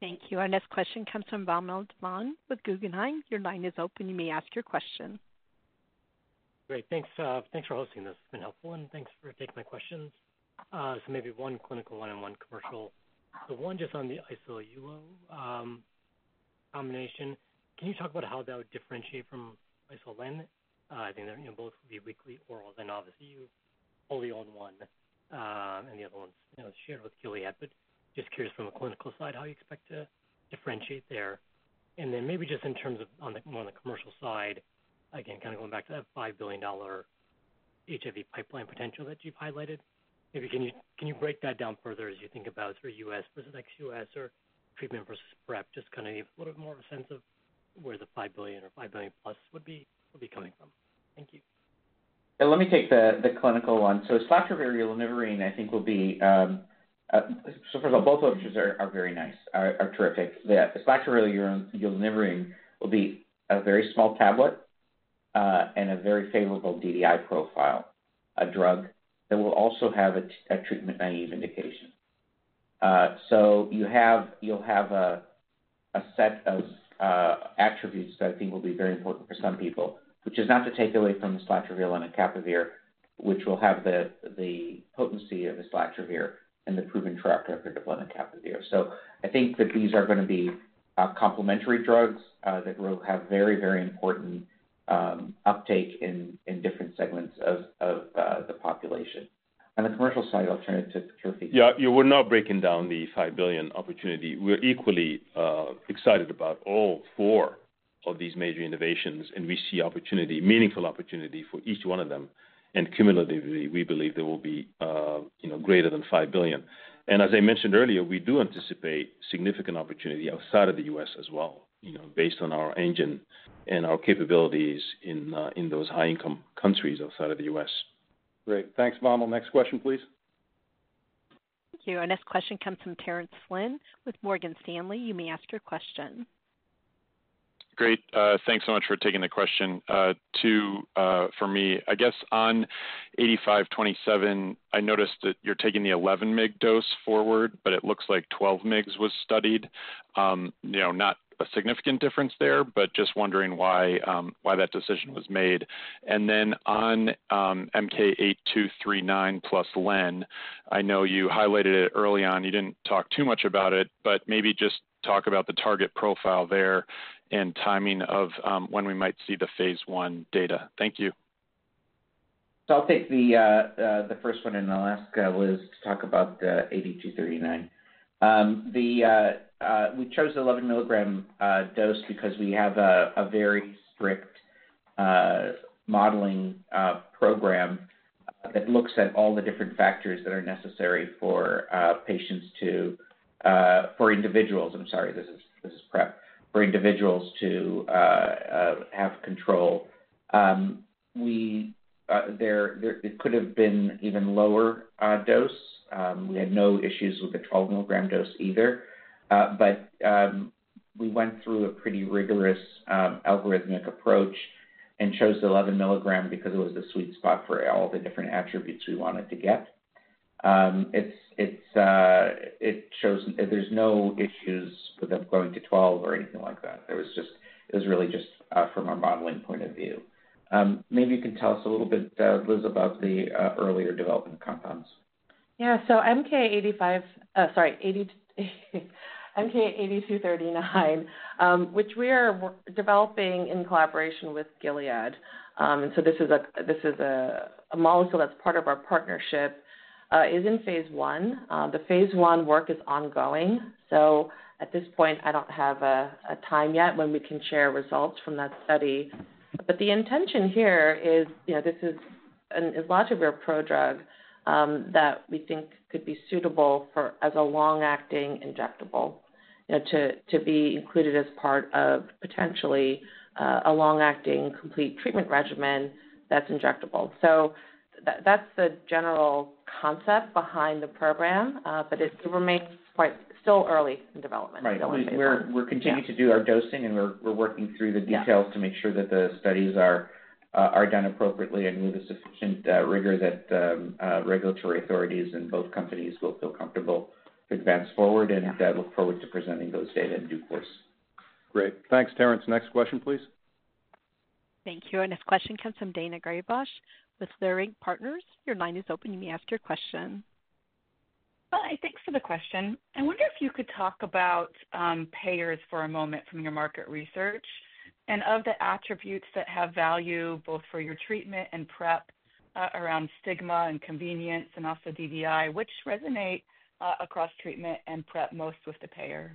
Thank you. Our next question comes from Valnor Duvan with Guggenheim. Your line is open. You may ask your question. Great. Thanks for hosting this. It's been helpful. Thanks for taking my questions. Maybe one clinical, one commercial. One, just on the Islatravir/Ulonivirine combination. Can you talk about how that would differentiate from Islatravir/Lenacapavir? I think both would be weekly orals. Obviously, you only own one, and the other one is shared with Gilead. Just curious from a clinical side how you expect to differentiate there. Maybe just in terms of the commercial side, again, kind of going back to that $5 billion HIV pipeline potential that you've highlighted, can you break that down further as you think about for U.S. versus ex-U.S. or treatment versus PrEP, just to give a little bit more of a sense of where the $5 billion or $5 billion-plus would be coming from? Thank you. Let me take the clinical one. EZOLOTRIVIR/EULONIVIRINE, I think, will be, first of all, both options are very nice, are terrific. EZOLOTRIVIR/EULONIVIRINE will be a very small tablet and a very favorable DDI profile drug that will also have a treatment-naive indication. You'll have a set of attributes that I think will be very important for some people, which is not to take away from EZOLOTRIVIR/Lenacapavir, which will have the potency of EZOLOTRIVIR and the proven track record of Lenacapavir. I think that these are going to be complementary drugs that will have very, very important uptake in different segments of the population. On the commercial side, I'll turn it to Turfy. Yeah. We're not breaking down the $5 billion opportunity. We're equally excited about all four of these major innovations. We see opportunity, meaningful opportunity for each one of them. Cumulatively, we believe there will be greater than $5 billion. As I mentioned earlier, we do anticipate significant opportunity outside of the U.S. as well, based on our engine and our capabilities in those high-income countries outside of the U.S. Great. Thanks, Valmel. Next question, please. Thank you. Our next question comes from Terrence Flynn with Morgan Stanley. You may ask your question. Great. Thanks so much for taking the question. Two for me, I guess on 8527, I noticed that you're taking the 11-mg dose forward, but it looks like 12-mg was studied. Not a significant difference there, but just wondering why that decision was made. On MK8239 plus Len, I know you highlighted it early on. You did not talk too much about it, but maybe just talk about the target profile there and timing of when we might see the phase one data. Thank you. I'll take the first one in Alaska, Liz, to talk about the 8239. We chose the 11 mg dose because we have a very strict modeling program that looks at all the different factors that are necessary for patients to—for individuals. I'm sorry. This is PrEP. For individuals to have control. It could have been even lower dose. We had no issues with the 12 mg dose either. We went through a pretty rigorous algorithmic approach and chose the 11 mg because it was the sweet spot for all the different attributes we wanted to get. There are no issues with them going to 12 or anything like that. It was really just from our modeling point of view. Maybe you can tell us a little bit, Liz, about the earlier development compounds. Yeah. MK—sorry, MK8239, which we are developing in collaboration with Gilead. This is a molecule that's part of our partnership, is in phase I. The phase I work is ongoing. At this point, I don't have a time yet when we can share results from that study. The intention here is this is an Islatravir prodrug that we think could be suitable as a long-acting injectable to be included as part of potentially a long-acting complete treatment regimen that's injectable. That's the general concept behind the program, but it remains still early in development. Right. We're continuing to do our dosing, and we're working through the details to make sure that the studies are done appropriately and with the sufficient rigor that regulatory authorities and both companies will feel comfortable to advance forward and look forward to presenting those data in due course. Great. Thanks, Terrence. Next question, please. Thank you. Our next question comes from Dana Greybosh with Luring Partners. Your line is open. You may ask your question. Hi. Thanks for the question. I wonder if you could talk about payers for a moment from your market research and of the attributes that have value both for your treatment and PrEP around stigma and convenience and also DDI, which resonate across treatment and PrEP most with the payers?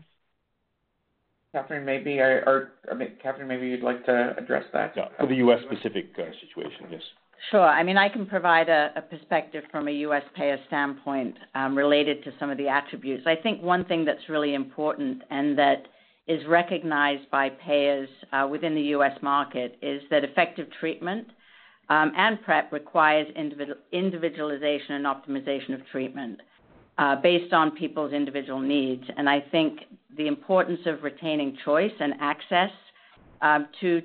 Katherine, maybe I or I mean, Katherine, maybe you'd like to address that? For the U.S.-specific situation, yes. Sure. I mean, I can provide a perspective from a U.S. payer standpoint related to some of the attributes. I think one thing that's really important and that is recognized by payers within the U.S. market is that effective treatment and PrEP requires individualization and optimization of treatment based on people's individual needs. I think the importance of retaining choice and access to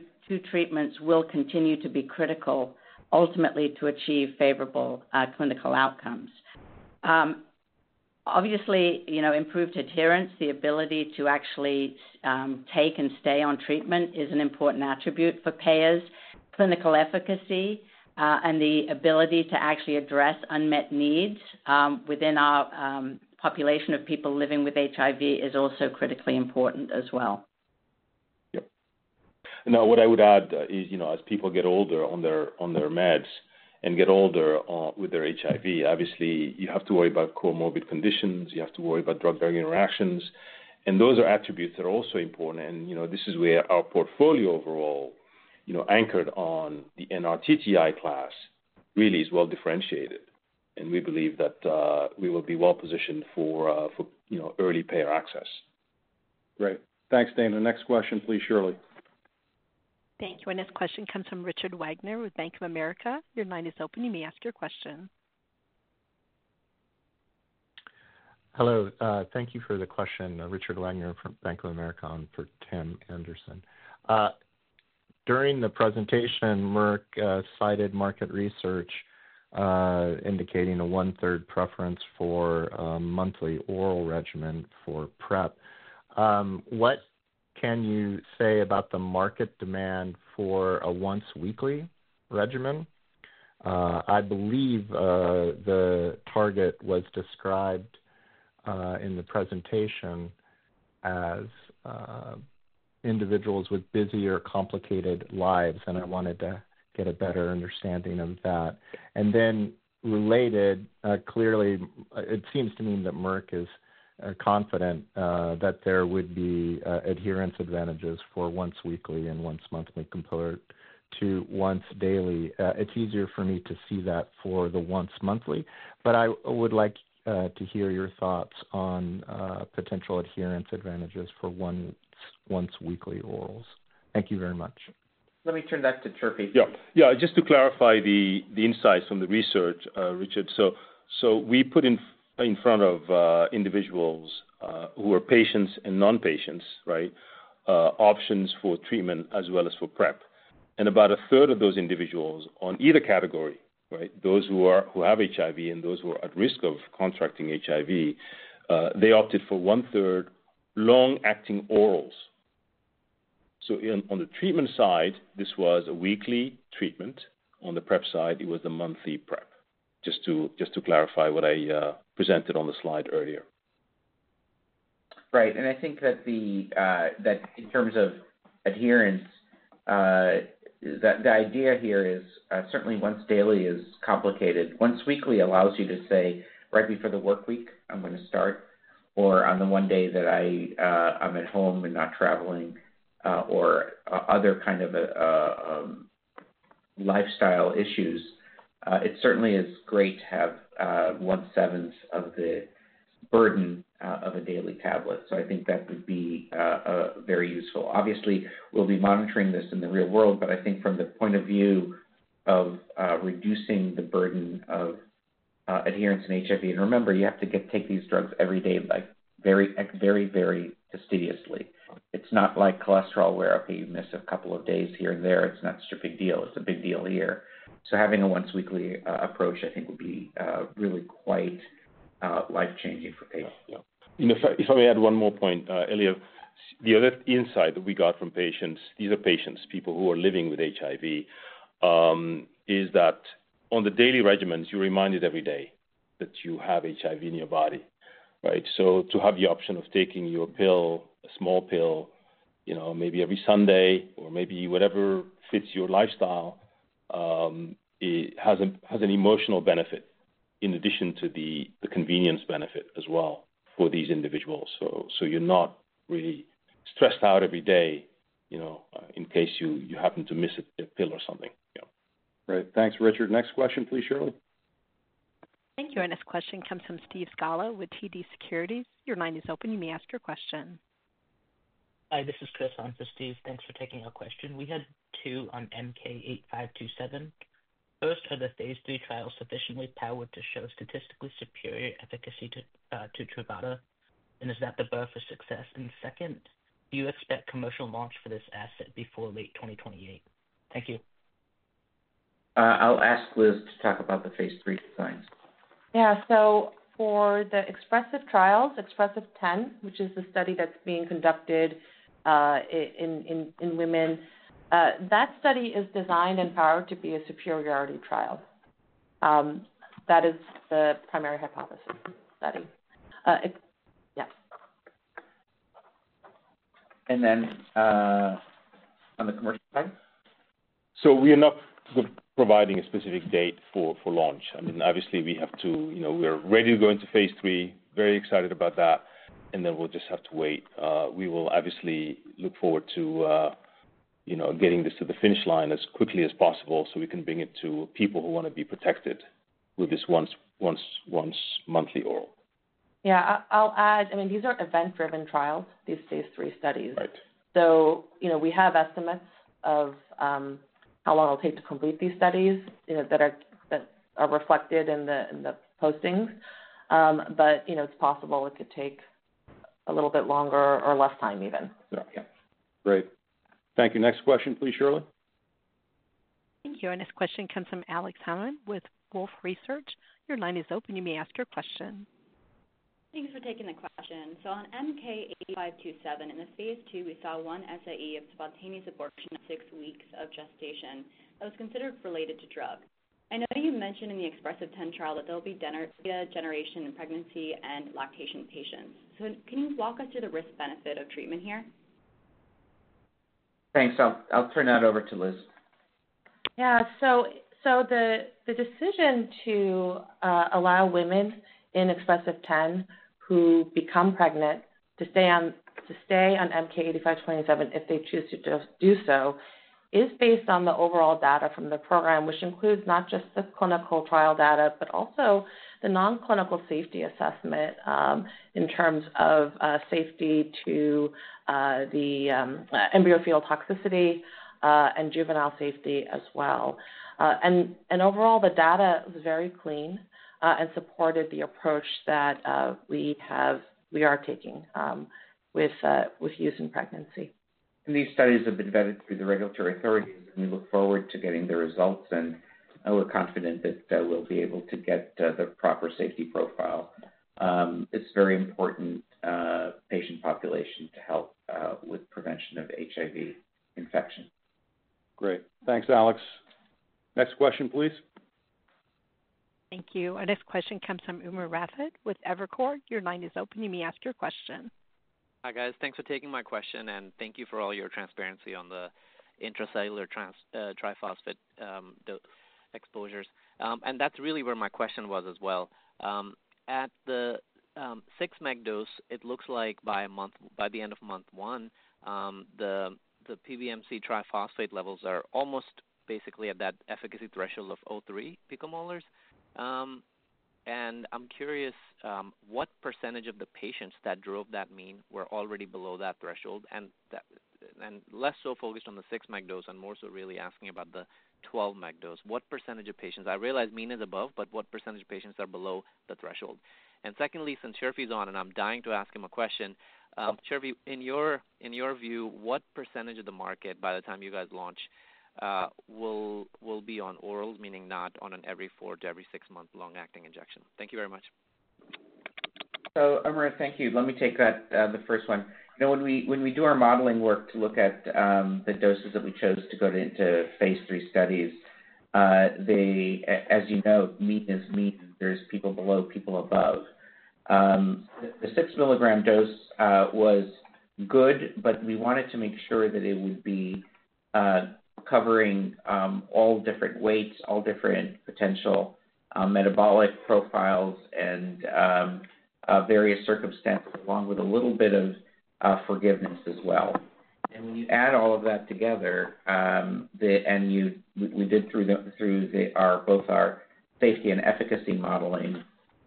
treatments will continue to be critical ultimately to achieve favorable clinical outcomes. Obviously, improved adherence, the ability to actually take and stay on treatment is an important attribute for payers. Clinical efficacy and the ability to actually address unmet needs within our population of people living with HIV is also critically important as well. Yep. What I would add is as people get older on their meds and get older with their HIV, obviously, you have to worry about comorbid conditions. You have to worry about drug-deriving reactions. Those are attributes that are also important. This is where our portfolio overall anchored on the NRTTI class really is well differentiated. We believe that we will be well positioned for early payer access. Great. Thanks, Dana. Next question, please, Shirley. Thank you. Our next question comes from Richard Wagner with Bank of America. Your line is open. You may ask your question. Hello. Thank you for the question, Richard Wagner from Bank of America and for Tim Anderson. During the presentation, Merck cited market research indicating a one-third preference for monthly oral regimen for PrEP. What can you say about the market demand for a once-weekly regimen? I believe the target was described in the presentation as individuals with busier, complicated lives. I wanted to get a better understanding of that. Then related, clearly, it seems to me that Merck is confident that there would be adherence advantages for once-weekly and once-monthly compared to once-daily. It's easier for me to see that for the once-monthly. I would like to hear your thoughts on potential adherence advantages for once-weekly orals. Thank you very much. Let me turn it back to Chirfi. Yeah. Yeah. Just to clarify the insights from the research, Richard. So we put in front of individuals who are patients and non-patients, right, options for treatment as well as for PrEP. And about a third of those individuals on either category, right, those who have HIV and those who are at risk of contracting HIV, they opted for one-third long-acting orals. On the treatment side, this was a weekly treatment. On the PrEP side, it was the monthly PrEP, just to clarify what I presented on the slide earlier. Right. I think that in terms of adherence, the idea here is certainly once-daily is complicated. Once-weekly allows you to say, "Right before the work week, I'm going to start," or, "On the one day that I'm at home and not traveling," or other kind of lifestyle issues. It certainly is great to have one-seventh of the burden of a daily tablet. I think that would be very useful. Obviously, we'll be monitoring this in the real world. I think from the point of view of reducing the burden of adherence and HIV, and remember, you have to take these drugs every day very, very fastidiously. It's not like cholesterol where you miss a couple of days here and there. It's not such a big deal. It's a big deal here. Having a once-weekly approach, I think, would be really quite life-changing for patients. Yeah. If I may add one more point, Elliot, the other insight that we got from patients—these are patients, people who are living with HIV—is that on the daily regimens, you're reminded every day that you have HIV in your body, right? To have the option of taking your pill, a small pill, maybe every Sunday or maybe whatever fits your lifestyle, it has an emotional benefit in addition to the convenience benefit as well for these individuals. You are not really stressed out every day in case you happen to miss a pill or something. Yeah. Right. Thanks, Richard. Next question, please, Shirley. Thank you. Our next question comes from Steve Scallo with TD Securities. Your line is open. You may ask your question. Hi. This is Chris on for Steve. Thanks for taking our question. We had two on MK-8527. First, are the phase three trials sufficiently powered to show statistically superior efficacy to Truvada? Is that the bow for success? Second, do you expect commercial launch for this asset before late 2028? Thank you. I'll ask Liz to talk about the phase three designs. Yeah. For the expressive trials, expressive 10, which is the study that's being conducted in women, that study is designed and powered to be a superiority trial. That is the primary hypothesis study. Yes. On the commercial side? We're not providing a specific date for launch. I mean, obviously, we have to—we're ready to go into phase three, very excited about that. We'll just have to wait. We will obviously look forward to getting this to the finish line as quickly as possible so we can bring it to people who want to be protected with this once-monthly oral. Yeah. I'll add, I mean, these are event-driven trials, these phase three studies. We have estimates of how long it'll take to complete these studies that are reflected in the postings. It's possible it could take a little bit longer or less time even. Yeah. Yeah. Great. Thank you. Next question, please, Shirley. Thank you. Our next question comes from Alex Hammond with Wolfe Research. Your line is open. You may ask your question. Thanks for taking the question. On MK-8527, in the phase two, we saw one SAE of spontaneous abortion at six weeks of gestation that was considered related to drug. I know you mentioned in the EXPRESSIVE-10 trial that there will be data generation in pregnancy and lactation patients. Can you walk us through the risk-benefit of treatment here? Thanks. I'll turn that over to Liz. Yeah. The decision to allow women in EXPRESS 10 who become pregnant to stay on MK-8527 if they choose to do so is based on the overall data from the program, which includes not just the clinical trial data but also the non-clinical safety assessment in terms of safety to the embryofetal toxicity and juvenile safety as well. Overall, the data was very clean and supported the approach that we are taking with use in pregnancy. These studies have been vetted through the regulatory authorities, and we look forward to getting the results. We are confident that we will be able to get the proper safety profile. It is a very important patient population to help with prevention of HIV infection. Great. Thanks, Alex. Next question, please. Thank you. Our next question comes from Umer Raffat with Evercore. Your line is open. You may ask your question. Hi, guys. Thanks for taking my question. Thank you for all your transparency on the intracellular triphosphate dose exposures. That is really where my question was as well. At the 6 mg dose, it looks like by the end of month one, the PBMC triphosphate levels are almost basically at that efficacy threshold of 0.3 picomolars. I am curious what % of the patients that drove that mean were already below that threshold, and less so focused on the 6 mg dose and more so really asking about the 12 mg dose. What % of patients—I realize mean is above—but what percentage of patients are below the threshold? Secondly, since Chirfi is on, and I am dying to ask him a question, Chirfi, in your view, what percentage of the market by the time you guys launch will be on orals, meaning not on an every-four to every-six-month long-acting injection? Thank you very much. Umar, thank you. Let me take the first one. When we do our modeling work to look at the doses that we chose to go into phase three studies, as you know, mean is mean. There's people below, people above. The 6 mg dose was good, but we wanted to make sure that it would be covering all different weights, all different potential metabolic profiles, and various circumstances along with a little bit of forgiveness as well. When you add all of that together, and we did through both our safety and efficacy modeling,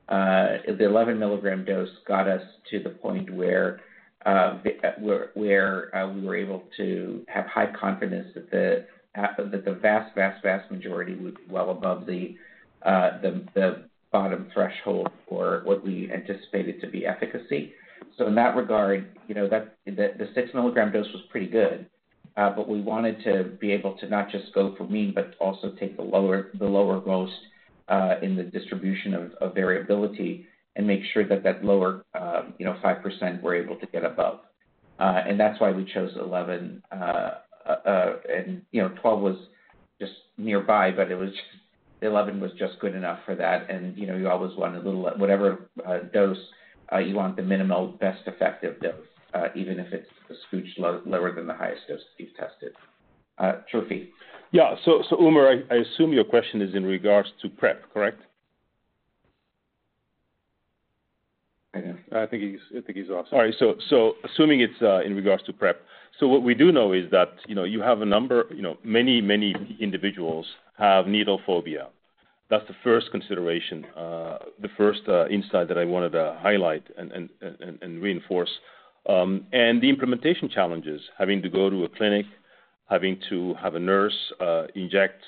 the 11 mg dose got us to the point where we were able to have high confidence that the vast, vast, vast majority would be well above the bottom threshold for what we anticipated to be efficacy. In that regard, the 6 mg dose was pretty good. We wanted to be able to not just go for mean but also take the lowermost in the distribution of variability and make sure that that lower 5% we're able to get above. That is why we chose 11. Twelve was just nearby, but 11 was just good enough for that. You always want whatever dose you want, the minimal best effective dose, even if it's a scooch lower than the highest dose that you've tested. Chirfi Yeah. Umar, I assume your question is in regards to PrEP, correct? I think he's off. All right. Assuming it's in regards to PrEP, what we do know is that you have a number—many, many individuals have needle phobia. That is the first consideration, the first insight that I wanted to highlight and reinforce. The implementation challenges, having to go to a clinic, having to have a nurse inject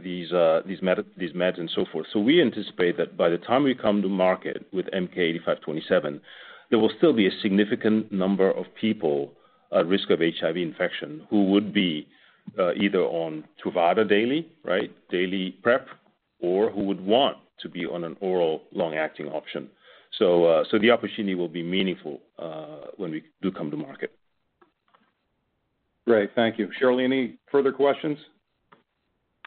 these meds and so forth. We anticipate that by the time we come to market with MK-8527, there will still be a significant number of people at risk of HIV infection who would be either on Truvada daily, right, daily PrEP, or who would want to be on an oral long-acting option. The opportunity will be meaningful when we do come to market. Great. Thank you. Shirley, any further questions?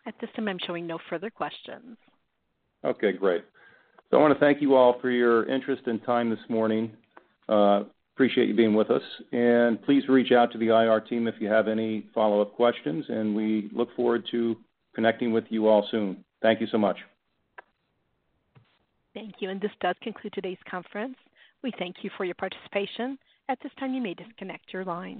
At this time, I'm showing no further questions. Great. I want to thank you all for your interest and time this morning. Appreciate you being with us. Please reach out to the IR team if you have any follow-up questions. We look forward to connecting with you all soon. Thank you so much. Thank you. This does conclude today's conference. We thank you for your participation. At this time, you may disconnect your line.